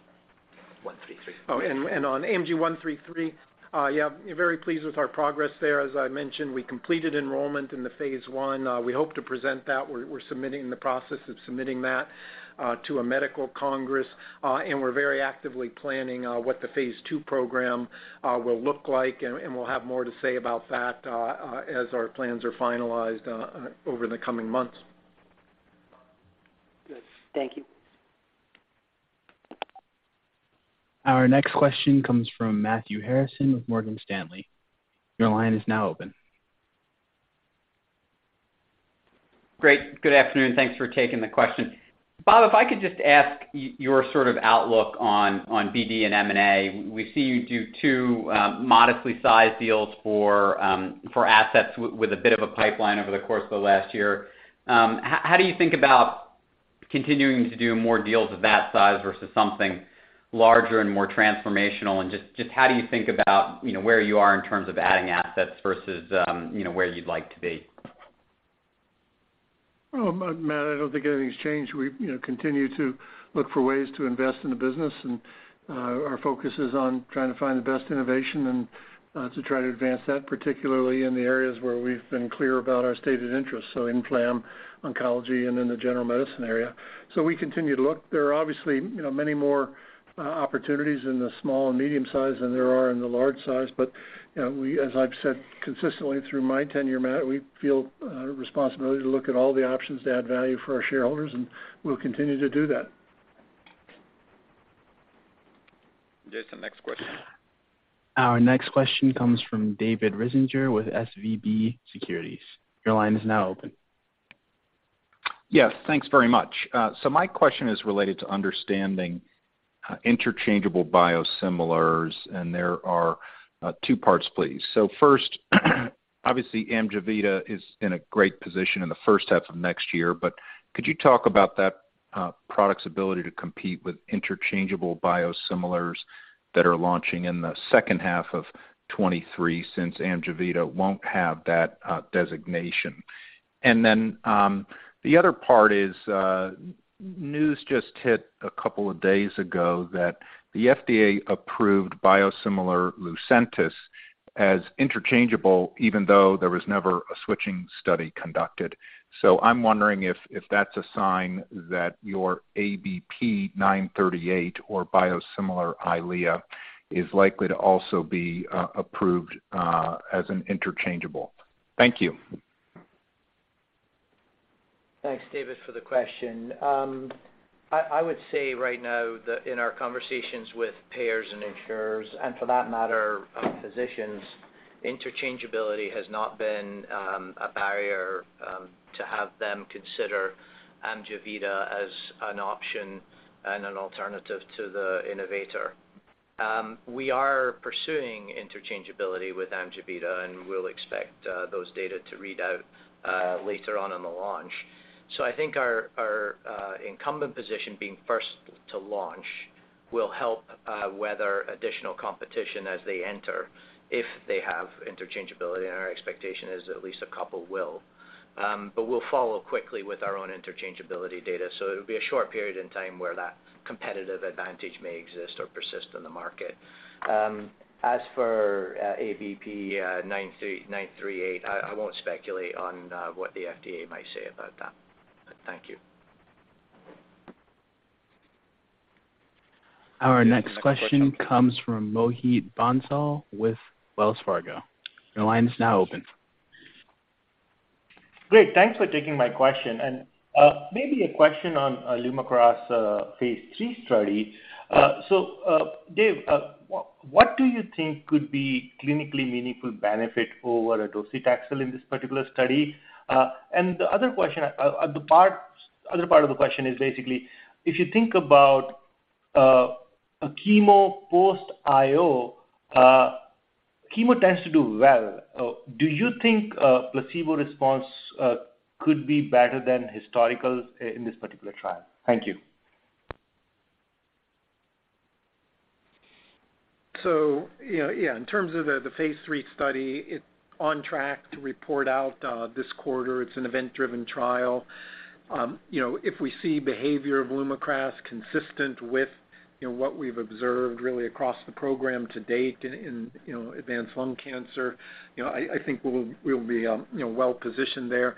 One three three. On AMG 133, we're very pleased with our progress there. As I mentioned, we completed enrollment in the phase I. We hope to present that. We're in the process of submitting that to a medical congress, and we're very actively planning what the phase II program will look like, and we'll have more to say about that as our plans are finalized over the coming months. Good. Thank you. Our next question comes from Matthew Harrison with Morgan Stanley. Your line is now open. Great. Good afternoon. Thanks for taking the question. Bob, if I could just ask your sort of outlook on BD and M&A. We see you do two modestly sized deals for assets with a bit of a pipeline over the course of the last year. How do you think about continuing to do more deals of that size versus something larger and more transformational? Just how do you think about, you know, where you are in terms of adding assets versus, you know, where you'd like to be? Well, Matt, I don't think anything's changed. We, you know, continue to look for ways to invest in the business, and our focus is on trying to find the best innovation and to try to advance that, particularly in the areas where we've been clear about our stated interest, so in inflammation, oncology, and in the general medicine area. We continue to look. There are obviously, you know, many more opportunities in the small and medium size than there are in the large size. You know, as I've said consistently through my tenure, Matt, we feel responsibility to look at all the options to add value for our shareholders, and we'll continue to do that. Jason, next question. Our next question comes from David Risinger with SVB Securities. Your line is now open. Yes. Thanks very much. My question is related to understanding interchangeable biosimilars, and there are two parts, please. First, obviously, AMJEVITA is in a great position in the first half of next year, but could you talk about that product's ability to compete with interchangeable biosimilars that are launching in the second half of 2023 since AMJEVITA won't have that designation? Then, the other part is, news just hit a couple of days ago that the FDA approved biosimilar Lucentis as interchangeable even though there was never a switching study conducted. I'm wondering if that's a sign that your ABP 938 or biosimilar EYLEA is likely to also be approved as an interchangeable. Thank you. Thanks, David, for the question. I would say right now that in our conversations with payers and insurers, and for that matter, physicians, interchangeability has not been a barrier to have them consider AMJEVITA as an option and an alternative to the innovator. We are pursuing interchangeability with AMJEVITA, and we'll expect those data to read out later on in the launch. I think our incumbent position being first to launch will help weather additional competition as they enter if they have interchangeability, and our expectation is that at least a couple will. We'll follow quickly with our own interchangeability data, so it'll be a short period in time where that competitive advantage may exist or persist in the market. As for ABP 938, I won't speculate on what the FDA might say about that. Thank you. Our next question comes from Mohit Bansal with Wells Fargo. Your line is now open. Great. Thanks for taking my question. Maybe a question on LUMAKRAS phase III study. Dave, what do you think could be clinically meaningful benefit over docetaxel in this particular study? The other part of the question is basically, if you think about a chemo post-IO, chemo tends to do well. Do you think a placebo response could be better than historical in this particular trial? Thank you. You know, yeah, in terms of the phase III study, it's on track to report out this quarter. It's an event-driven trial. You know, if we see behavior of LUMAKRAS consistent with you know, what we've observed really across the program to date in advanced lung cancer, you know, I think we'll be well positioned there.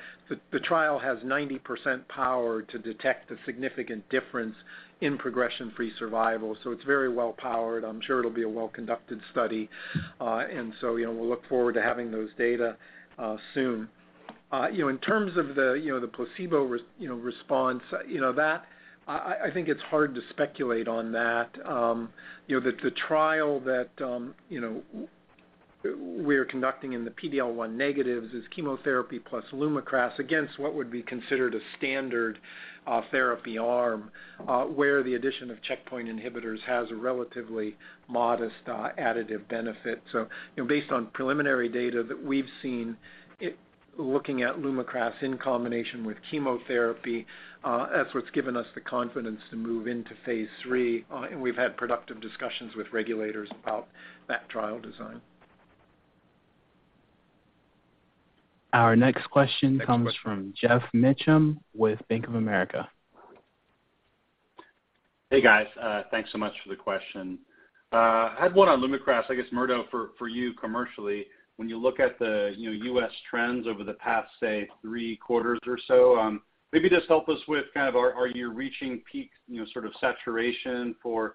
The trial has 90% power to detect a significant difference in progression-free survival, so it's very well powered. I'm sure it'll be a well-conducted study. You know, we'll look forward to having those data soon. You know, in terms of the placebo response, you know, that I think it's hard to speculate on that. You know, the trial that you know, we are conducting in the PD-L1 negatives is chemotherapy plus LUMAKRAS against what would be considered a standard therapy arm, where the addition of checkpoint inhibitors has a relatively modest additive benefit. You know, based on preliminary data that we've seen, looking at LUMAKRAS in combination with chemotherapy, that's what's given us the confidence to move into Phase III. We've had productive discussions with regulators about that trial design. Our next question comes from Geoff Meacham with Bank of America. Hey, guys. Thanks so much for the question. I had one on LUMAKRAS, I guess, Murdo, for you commercially. When you look at the you know U.S. trends over the past, say, three quarters or so, maybe just help us with kind of are you reaching peak, you know, sort of saturation for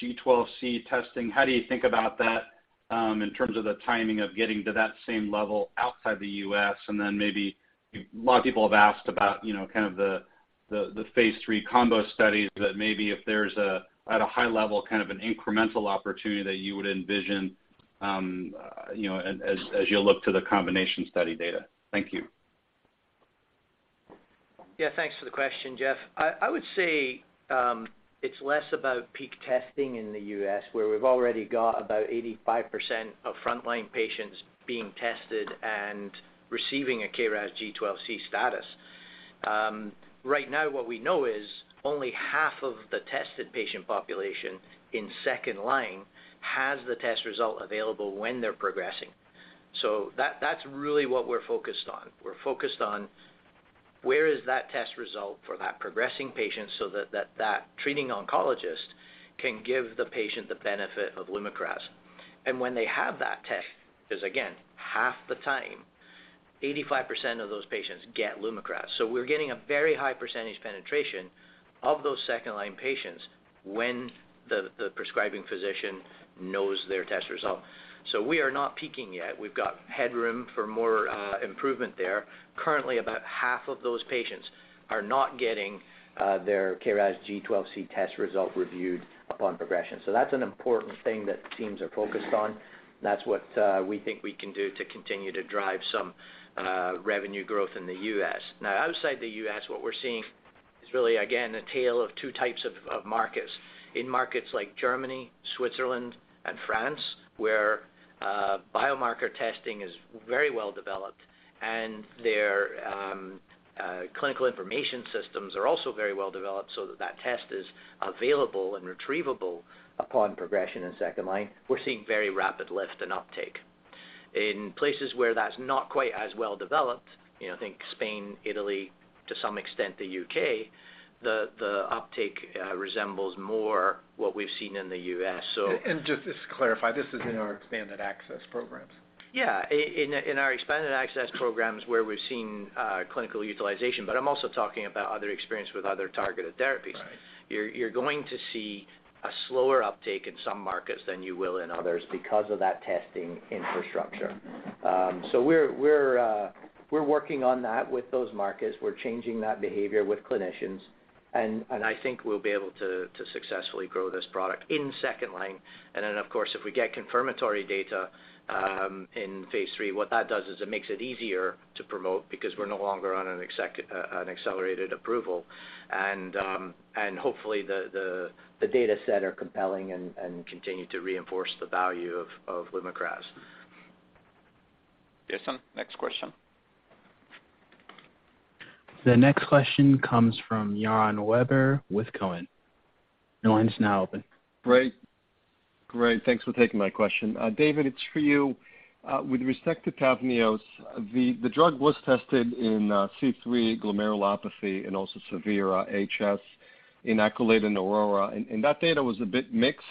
G12C testing? How do you think about that in terms of the timing of getting to that same level outside the U.S.? Maybe a lot of people have asked about, you know, kind of the phase III combo studies that maybe if there's a at a high level, kind of an incremental opportunity that you would envision, you know, as you look to the combination study data. Thank you. Yeah. Thanks for the question, Geoff. I would say it's less about peak testing in the U.S., where we've already got about 85% of frontline patients being tested and receiving a KRAS G12C status. Right now, what we know is only half of the tested patient population in second line has the test result available when they're progressing. That's really what we're focused on. We're focused on where is that test result for that progressing patient so that the treating oncologist can give the patient the benefit of LUMAKRAS. When they have that test, because, again, half the time, 85% of those patients get LUMAKRAS. We're getting a very high percentage penetration of those second line patients when the prescribing physician knows their test result. We are not peaking yet. We've got headroom for more improvement there. Currently, about half of those patients are not getting their KRAS G12C test result reviewed upon progression. That's an important thing that teams are focused on. That's what we think we can do to continue to drive some revenue growth in the U.S. Now outside the U.S., what we're seeing is really, again, a tale of two types of markets. In markets like Germany, Switzerland, and France, where biomarker testing is very well developed and their clinical information systems are also very well developed so that that test is available and retrievable upon progression in second line, we're seeing very rapid lift and uptake. In places where that's not quite as well developed, you know, think Spain, Italy, to some extent the U.K., the uptake resembles more what we've seen in the U.S. Just to clarify, this is in our expanded access programs? Yeah. In our expanded access programs where we've seen clinical utilization, but I'm also talking about other experience with other targeted therapies. Right. You're going to see a slower uptake in some markets than you will in others because of that testing infrastructure. We're working on that with those markets. We're changing that behavior with clinicians, and I think we'll be able to successfully grow this product in second line. Of course, if we get confirmatory data in phase III, what that does is it makes it easier to promote because we're no longer on an accelerated approval. Hopefully the data set are compelling and continue to reinforce the value of LUMAKRAS. Jason, next question. The next question comes from Yaron Werber with Cowen. Your line is now open. Great. Thanks for taking my question. David, it's for you. With respect to TAVNEOS, the drug was tested in C3 glomerulopathy and also severe HS hidradenitis suppurativa, and that data was a bit mixed.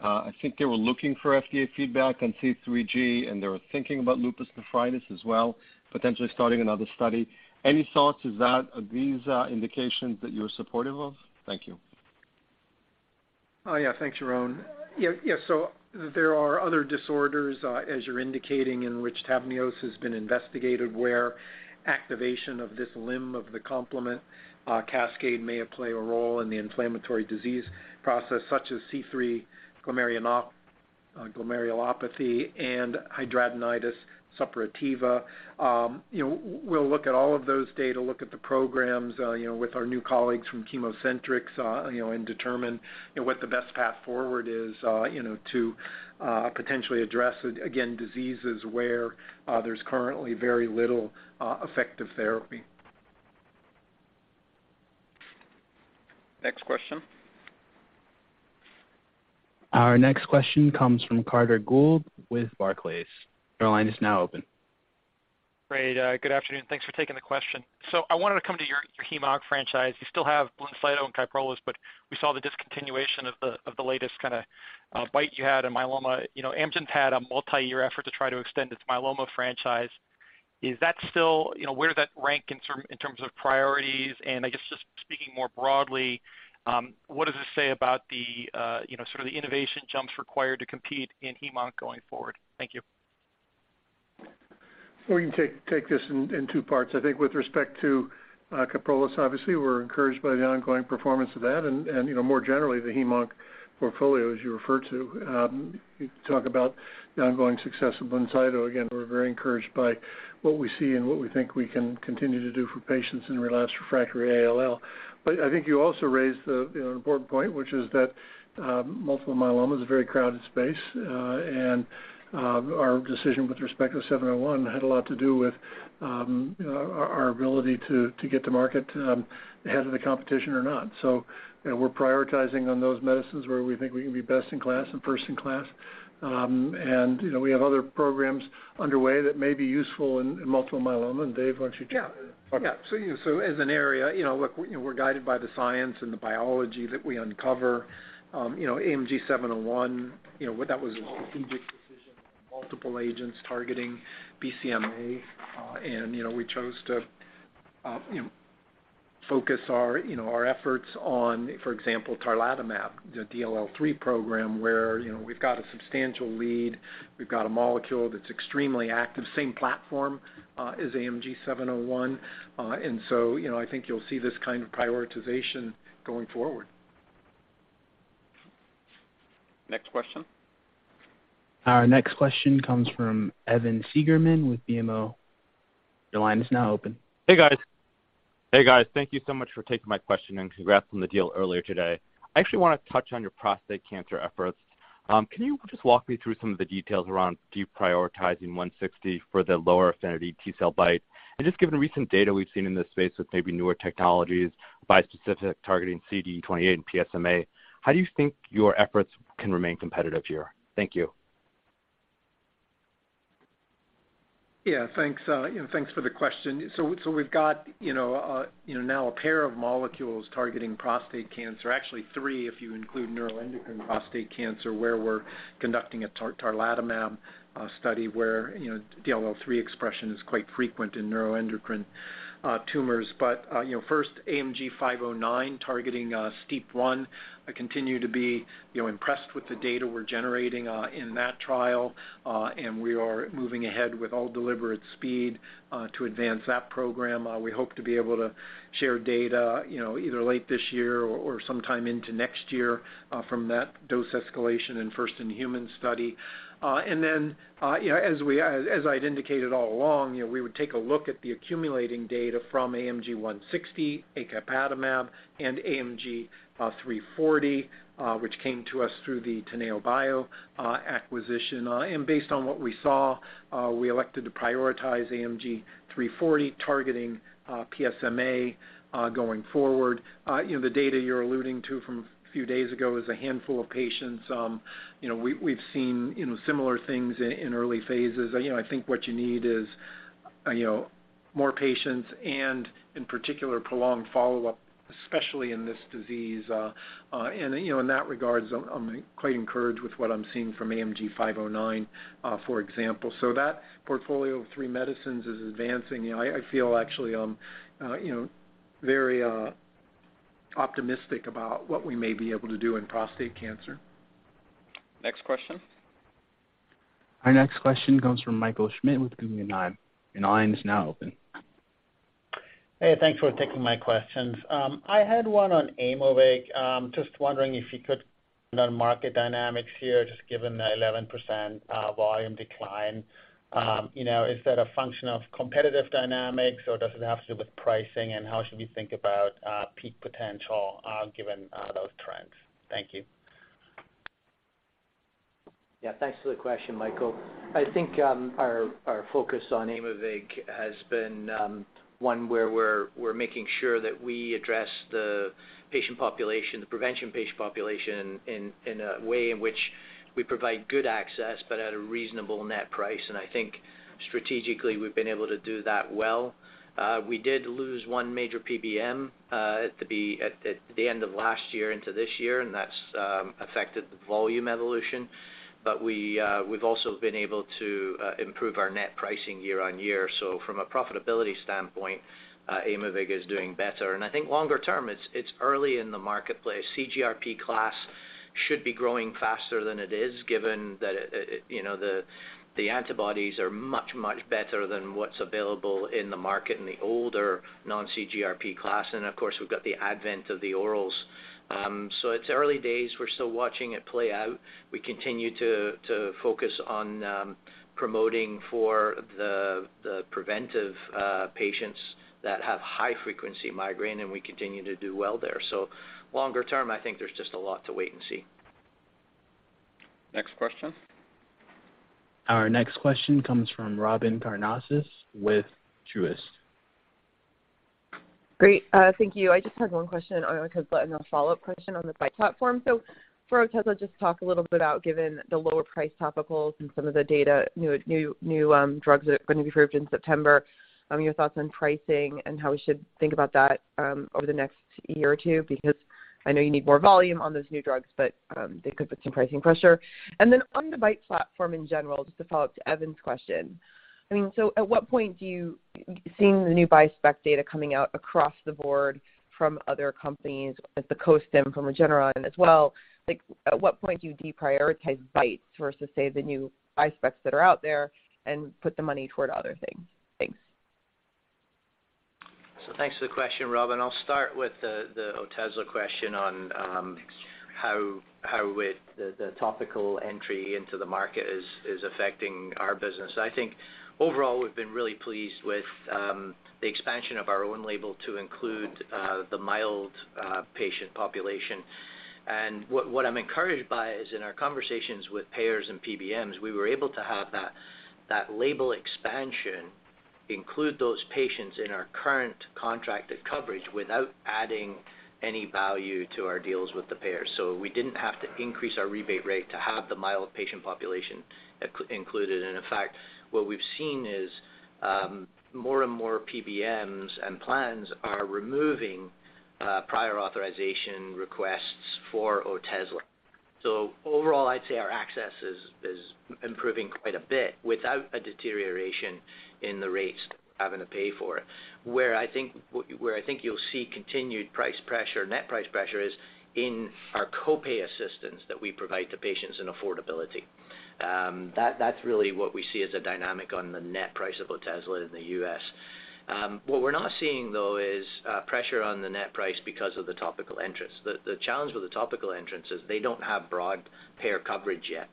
I think they were looking for FDA feedback on C3G, and they were thinking about lupus nephritis as well, potentially starting another study. Any thoughts? Are these indications that you're supportive of? Thank you. Yeah. Thanks, Yaron. There are other disorders, as you're indicating, in which TAVNEOS has been investigated, where activation of this limb of the complement cascade may play a role in the inflammatory disease process, such as C3 glomerulopathy and hidradenitis suppurativa. You know, we'll look at all of those data, look at the programs, you know, with our new colleagues from ChemoCentryx, you know, and determine, you know, what the best path forward is, you know, to potentially address, again, diseases where there's currently very little effective therapy. Next question. Our next question comes from Carter Gould with Barclays. Your line is now open. Great. Good afternoon. Thanks for taking the question. I wanted to come to your HemOnc franchise. You still have BLINCYTO and KYPROLIS, but we saw the discontinuation of the latest kind of BiTE you had in myeloma. You know, Amgen's had a multi-year effort to try to extend its myeloma franchise. Is that still you know, where does that rank in terms of priorities? I guess just speaking more broadly, what does this say about the you know, sort of the innovation jumps required to compete in HemOnc going forward? Thank you. We can take this in two parts. I think with respect to KYPROLIS, obviously we're encouraged by the ongoing performance of that and, you know, more generally, the HemOnc portfolio as you referred to. You talk about the ongoing success of BLINCYTO. Again, we're very encouraged by what we see and what we think we can continue to do for patients in relapsed refractory ALL. I think you also raised the, you know, important point, which is that, multiple myeloma is a very crowded space. Our decision with respect to 701 had a lot to do with, you know, our ability to get to market, ahead of the competition or not. You know, we're prioritizing on those medicines where we think we can be best in class and first in class. You know, we have other programs underway that may be useful in multiple myeloma. Dave, why don't you talk about it? As an area, you know, look, you know, we're guided by the science and the biology that we uncover. You know, AMG 701, you know, that was a strategic decision, multiple agents targeting BCMA. You know, we chose to focus our efforts on, for example, tarlatamab, the DLL3 program, where, you know, we've got a substantial lead. We've got a molecule that's extremely active, same platform as AMG 701. You know, I think you'll see this kind of prioritization going forward. Next question. Our next question comes from Evan Seigerman with BMO. Your line is now open. Hey, guys. Thank you so much for taking my question and congrats on the deal earlier today. I actually wanna touch on your prostate cancer efforts. Can you just walk me through some of the details around deprioritizing AMG 160 for the lower affinity T-cell BiTE? Just given recent data we've seen in this space with maybe newer technologies, bispecific targeting CD28 and PSMA, how do you think your efforts can remain competitive here? Thank you. Yeah, thanks. You know, thanks for the question. We've got, you know, now a pair of molecules targeting prostate cancer, actually three, if you include neuroendocrine prostate cancer, where we're conducting a tarlatamab study where, you know, DLL3 expression is quite frequent in neuroendocrine tumors. But, you know, first, AMG 509 targeting STEAP1. I continue to be, you know, impressed with the data we're generating in that trial, and we are moving ahead with all deliberate speed to advance that program. We hope to be able to share data, you know, either late this year or sometime into next year from that dose escalation and first-in-human study. You know, as I'd indicated all along, you know, we would take a look at the accumulating data from AMG 160, acapatamab, and AMG 340, which came to us through the Teneobio acquisition. Based on what we saw, we elected to prioritize AMG 340 targeting PSMA going forward. You know, the data you're alluding to from a few days ago is a handful of patients. You know, we've seen, you know, similar things in early phases. You know, I think what you need is, you know, more patients and in particular prolonged follow-up, especially in this disease. You know, in that regard, I'm quite encouraged with what I'm seeing from AMG 509, for example. That portfolio of three medicines is advancing. You know, I feel actually, you know, very optimistic about what we may be able to do in prostate cancer. Next question. Our next question comes from Michael Schmidt with Bernstein. Your line is now open. Hey, thanks for taking my questions. I had one on Aimovig. Just wondering if you could, on market dynamics here, just given the 11% volume decline, you know, is that a function of competitive dynamics, or does it have to do with pricing, and how should we think about peak potential given those trends? Thank you. Yeah. Thanks for the question, Michael. I think our focus on Aimovig has been one where we're making sure that we address the patient population, the prevention patient population in a way in which we provide good access but at a reasonable net price. I think strategically we've been able to do that well. We did lose one major PBM at the end of last year into this year, and that's affected the volume evolution. We've also been able to improve our net pricing year on year. From a profitability standpoint, Aimovig is doing better. I think longer term, it's early in the marketplace. CGRP class should be growing faster than it is, given that, you know, the antibodies are much, much better than what's available in the market in the older non-CGRP class. And of course, we've got the advent of the orals. It's early days. We're still watching it play out. We continue to focus on promoting for the preventive patients that have high frequency migraine, and we continue to do well there. Longer term, I think there's just a lot to wait and see. Next question. Our next question comes from Robyn Karnauskas with Truist. Great. Thank you. I just had one question on Otezla and a follow-up question on the BiTE platform. For Otezla, just talk a little bit about, given the lower price topicals and some of the data, new drugs that are gonna be approved in September, your thoughts on pricing and how we should think about that over the next year or two, because I know you need more volume on those new drugs, but they could put some pricing pressure. On the BiTE platform in general, just to follow up to Evan's question, I mean, so at what point do you, seeing the new bispecific data coming out across the board from other companies, like the costim from Regeneron as well, like, at what point do you deprioritize BiTE versus, say, the new bispecifics that are out there and put the money toward other things? Thanks. Thanks for the question, Robyn. I'll start with the Otezla question on how the topical entry into the market is affecting our business. I think overall we've been really pleased with the expansion of our own label to include the mild patient population. What I'm encouraged by is in our conversations with payers and PBMs, we were able to have that label expansion include those patients in our current contracted coverage without adding any value to our deals with the payers. We didn't have to increase our rebate rate to have the mild patient population included. In fact, what we've seen is more and more PBMs and plans are removing prior authorization requests for Otezla. Overall, I'd say our access is improving quite a bit without a deterioration in the rates having to pay for it. Where I think you'll see continued price pressure, net price pressure is in our co-pay assistance that we provide to patients and affordability. That's really what we see as a dynamic on the net price of Otezla in the U.S. What we're not seeing though is pressure on the net price because of the topical entrance. The challenge with the topical entrance is they don't have broad payer coverage yet.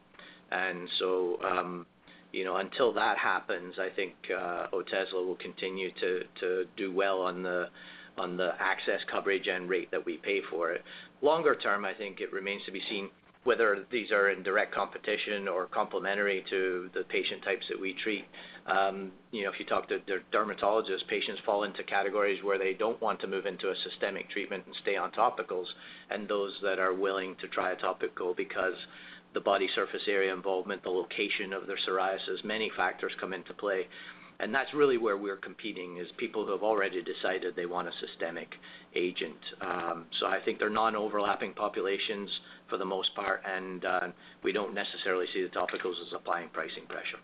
You know, until that happens, I think Otezla will continue to do well on the access coverage and rate that we pay for it. Longer term, I think it remains to be seen whether these are in direct competition or complementary to the patient types that we treat. You know, if you talk to their dermatologists, patients fall into categories where they don't want to move into a systemic treatment and stay on topicals, and those that are willing to try a topical because the body surface area involvement, the location of their psoriasis, many factors come into play. That's really where we're competing, is people who have already decided they want a systemic agent. I think they're non-overlapping populations for the most part, and we don't necessarily see the topicals as applying pricing pressure.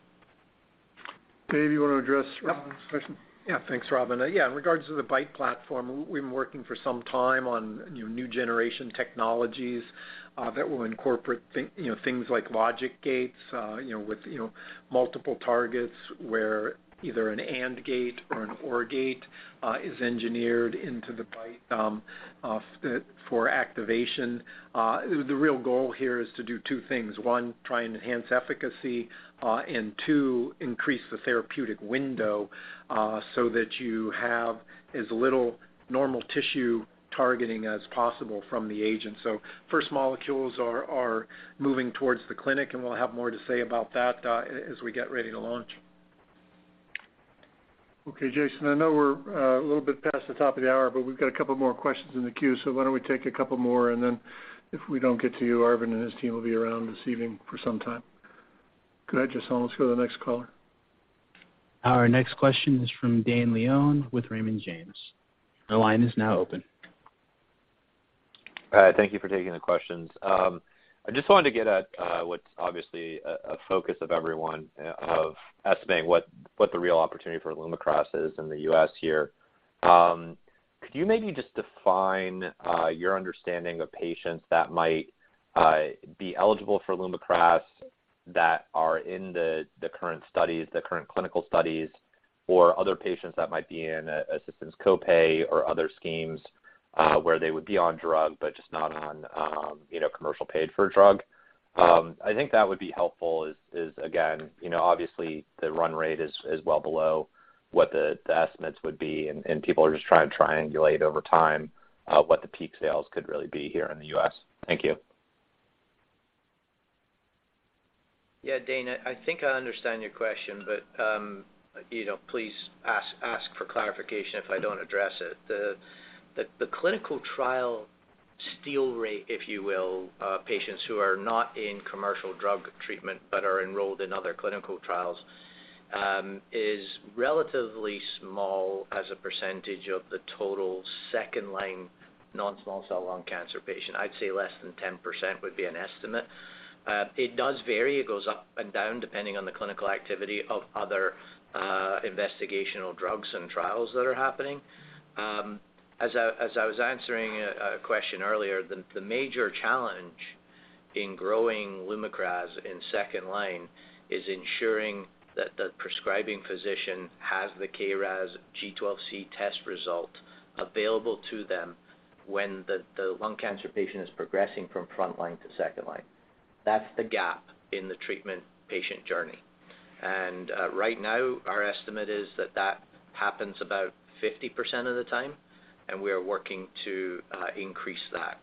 Dave, you wanna address Robyn's question? Yeah. Thanks, Robyn. Yeah, in regards to the BiTE platform, we've been working for some time on, you know, new generation technologies, that will incorporate you know, things like logic gates, you know, with, you know, multiple targets where either an and gate or an or gate is engineered into the BiTE, for activation. The real goal here is to do two things. One, try and enhance efficacy, and two, increase the therapeutic window, so that you have as little normal tissue targeting as possible from the agent. First molecules are moving towards the clinic, and we'll have more to say about that, as we get ready to launch. Okay. Jason, I know we're a little bit past the top of the hour, but we've got a couple more questions in the queue, so why don't we take a couple more, and then if we don't get to you, Arvind and his team will be around this evening for some time. Go ahead, Jason. Let's go to the next caller. Our next question is from Dane Leone with Raymond James. Your line is now open. All right. Thank you for taking the questions. I just wanted to get at what's obviously a focus of everyone of estimating what the real opportunity for LUMAKRAS is in the U.S. here. Could you maybe just define your understanding of patients that might be eligible for LUMAKRAS that are in the current studies, the current clinical studies, or other patients that might be in assistance co-pay or other schemes, where they would be on drug but just not on, you know, commercial paid for drug? I think that would be helpful is again, you know, obviously the run rate is well below what the estimates would be, and people are just trying to triangulate over time what the peak sales could really be here in the U.S. Thank you. Yeah. Dane, I think I understand your question, but, you know, please ask for clarification if I don't address it. The clinical trial steal rate, if you will, patients who are not in commercial drug treatment but are enrolled in other clinical trials, is relatively small as a percentage of the total second line non-small cell lung cancer patient. I'd say less than 10% would be an estimate. It does vary. It goes up and down depending on the clinical activity of other investigational drugs and trials that are happening. As I was answering a question earlier, the major challenge in growing LUMAKRAS in second line is ensuring that the prescribing physician has the KRAS G12C test result available to them when the lung cancer patient is progressing from front line to second line. That's the gap in the treatment patient journey. Right now our estimate is that that happens about 50% of the time, and we are working to increase that.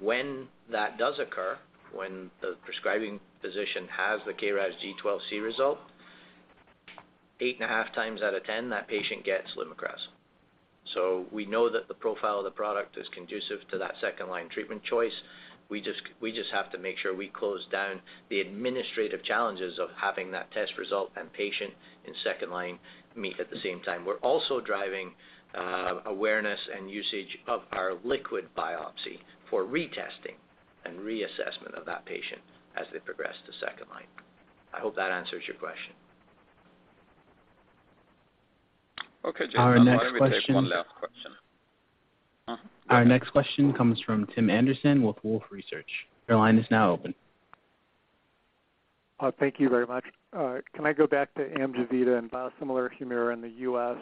When that does occur, when the prescribing physician has the KRAS G12C result, 8.5 times out of 10, that patient gets LUMAKRAS. We know that the profile of the product is conducive to that second line treatment choice. We just have to make sure we close down the administrative challenges of having that test result and patient in second line meet at the same time. We're also driving awareness and usage of our liquid biopsy for retesting and reassessment of that patient as they progress to second line. I hope that answers your question. Okay, Jason. Our next question. Why don't we take one last question? Our next question comes from Tim Anderson with Wolfe Research. Your line is now open. Thank you very much. Can I go back to AMJEVITA and biosimilar HUMIRA in the U.S.?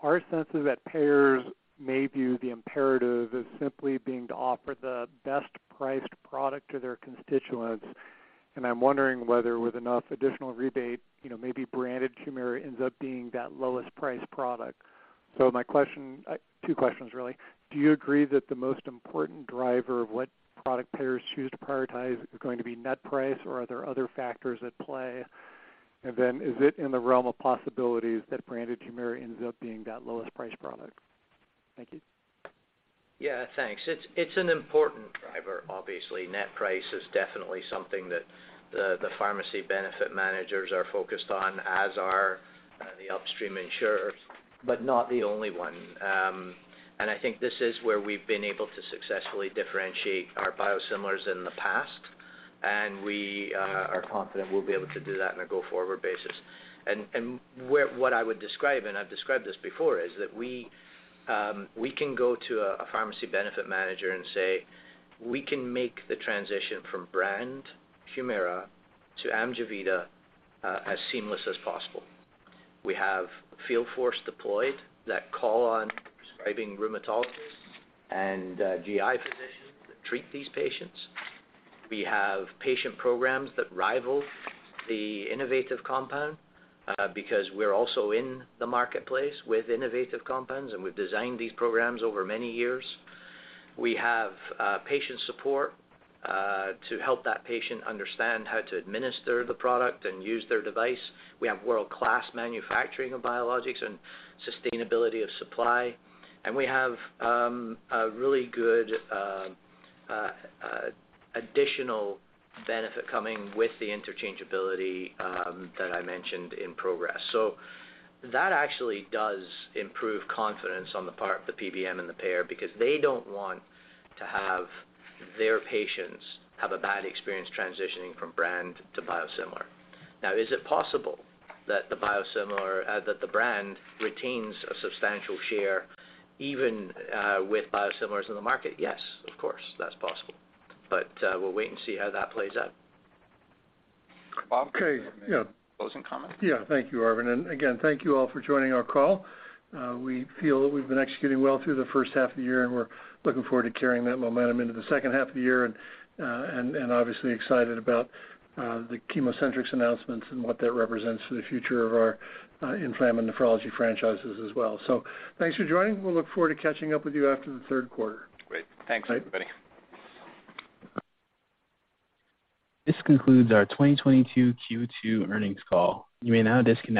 Our sense is that payers may view the imperative as simply being to offer the best priced product to their constituents, and I'm wondering whether with enough additional rebate, you know, maybe branded HUMIRA ends up being that lowest priced product. My question, two questions really. Do you agree that the most important driver of what product payers choose to prioritize is going to be net price, or are there other factors at play? And then is it in the realm of possibilities that branded HUMIRA ends up being that lowest priced product? Thank you. Yeah, thanks. It's an important driver. Obviously, net price is definitely something that the pharmacy benefit managers are focused on, as are the upstream insurers, but not the only one. I think this is where we've been able to successfully differentiate our biosimilars in the past, and we are confident we'll be able to do that on a go-forward basis. What I would describe, and I've described this before, is that we can go to a pharmacy benefit manager and say, "We can make the transition from brand HUMIRA to AMJEVITA as seamless as possible." We have field force deployed that call on prescribing rheumatologists and GI physicians that treat these patients. We have patient programs that rival the innovative compound because we're also in the marketplace with innovative compounds, and we've designed these programs over many years. We have patient support to help that patient understand how to administer the product and use their device. We have world-class manufacturing of biologics and sustainability of supply, and we have a really good additional benefit coming with the interchangeability that I mentioned in progress. That actually does improve confidence on the part of the PBM and the payer because they don't want to have their patients have a bad experience transitioning from brand to biosimilar. Now, is it possible that the brand retains a substantial share even with biosimilars in the market? Yes, of course, that's possible, but we'll wait and see how that plays out. Bob, any closing comments? Okay. Yeah. Thank you, Arvind. Again, thank you all for joining our call. We feel that we've been executing well through the first half of the year, and we're looking forward to carrying that momentum into the second half of the year and obviously excited about the ChemoCentryx announcements and what that represents for the future of our inflammation and nephrology franchises as well. Thanks for joining. We'll look forward to catching up with you after the third quarter. Great. Thanks, everybody. This concludes our 2022 Q2 earnings call. You may now disconnect.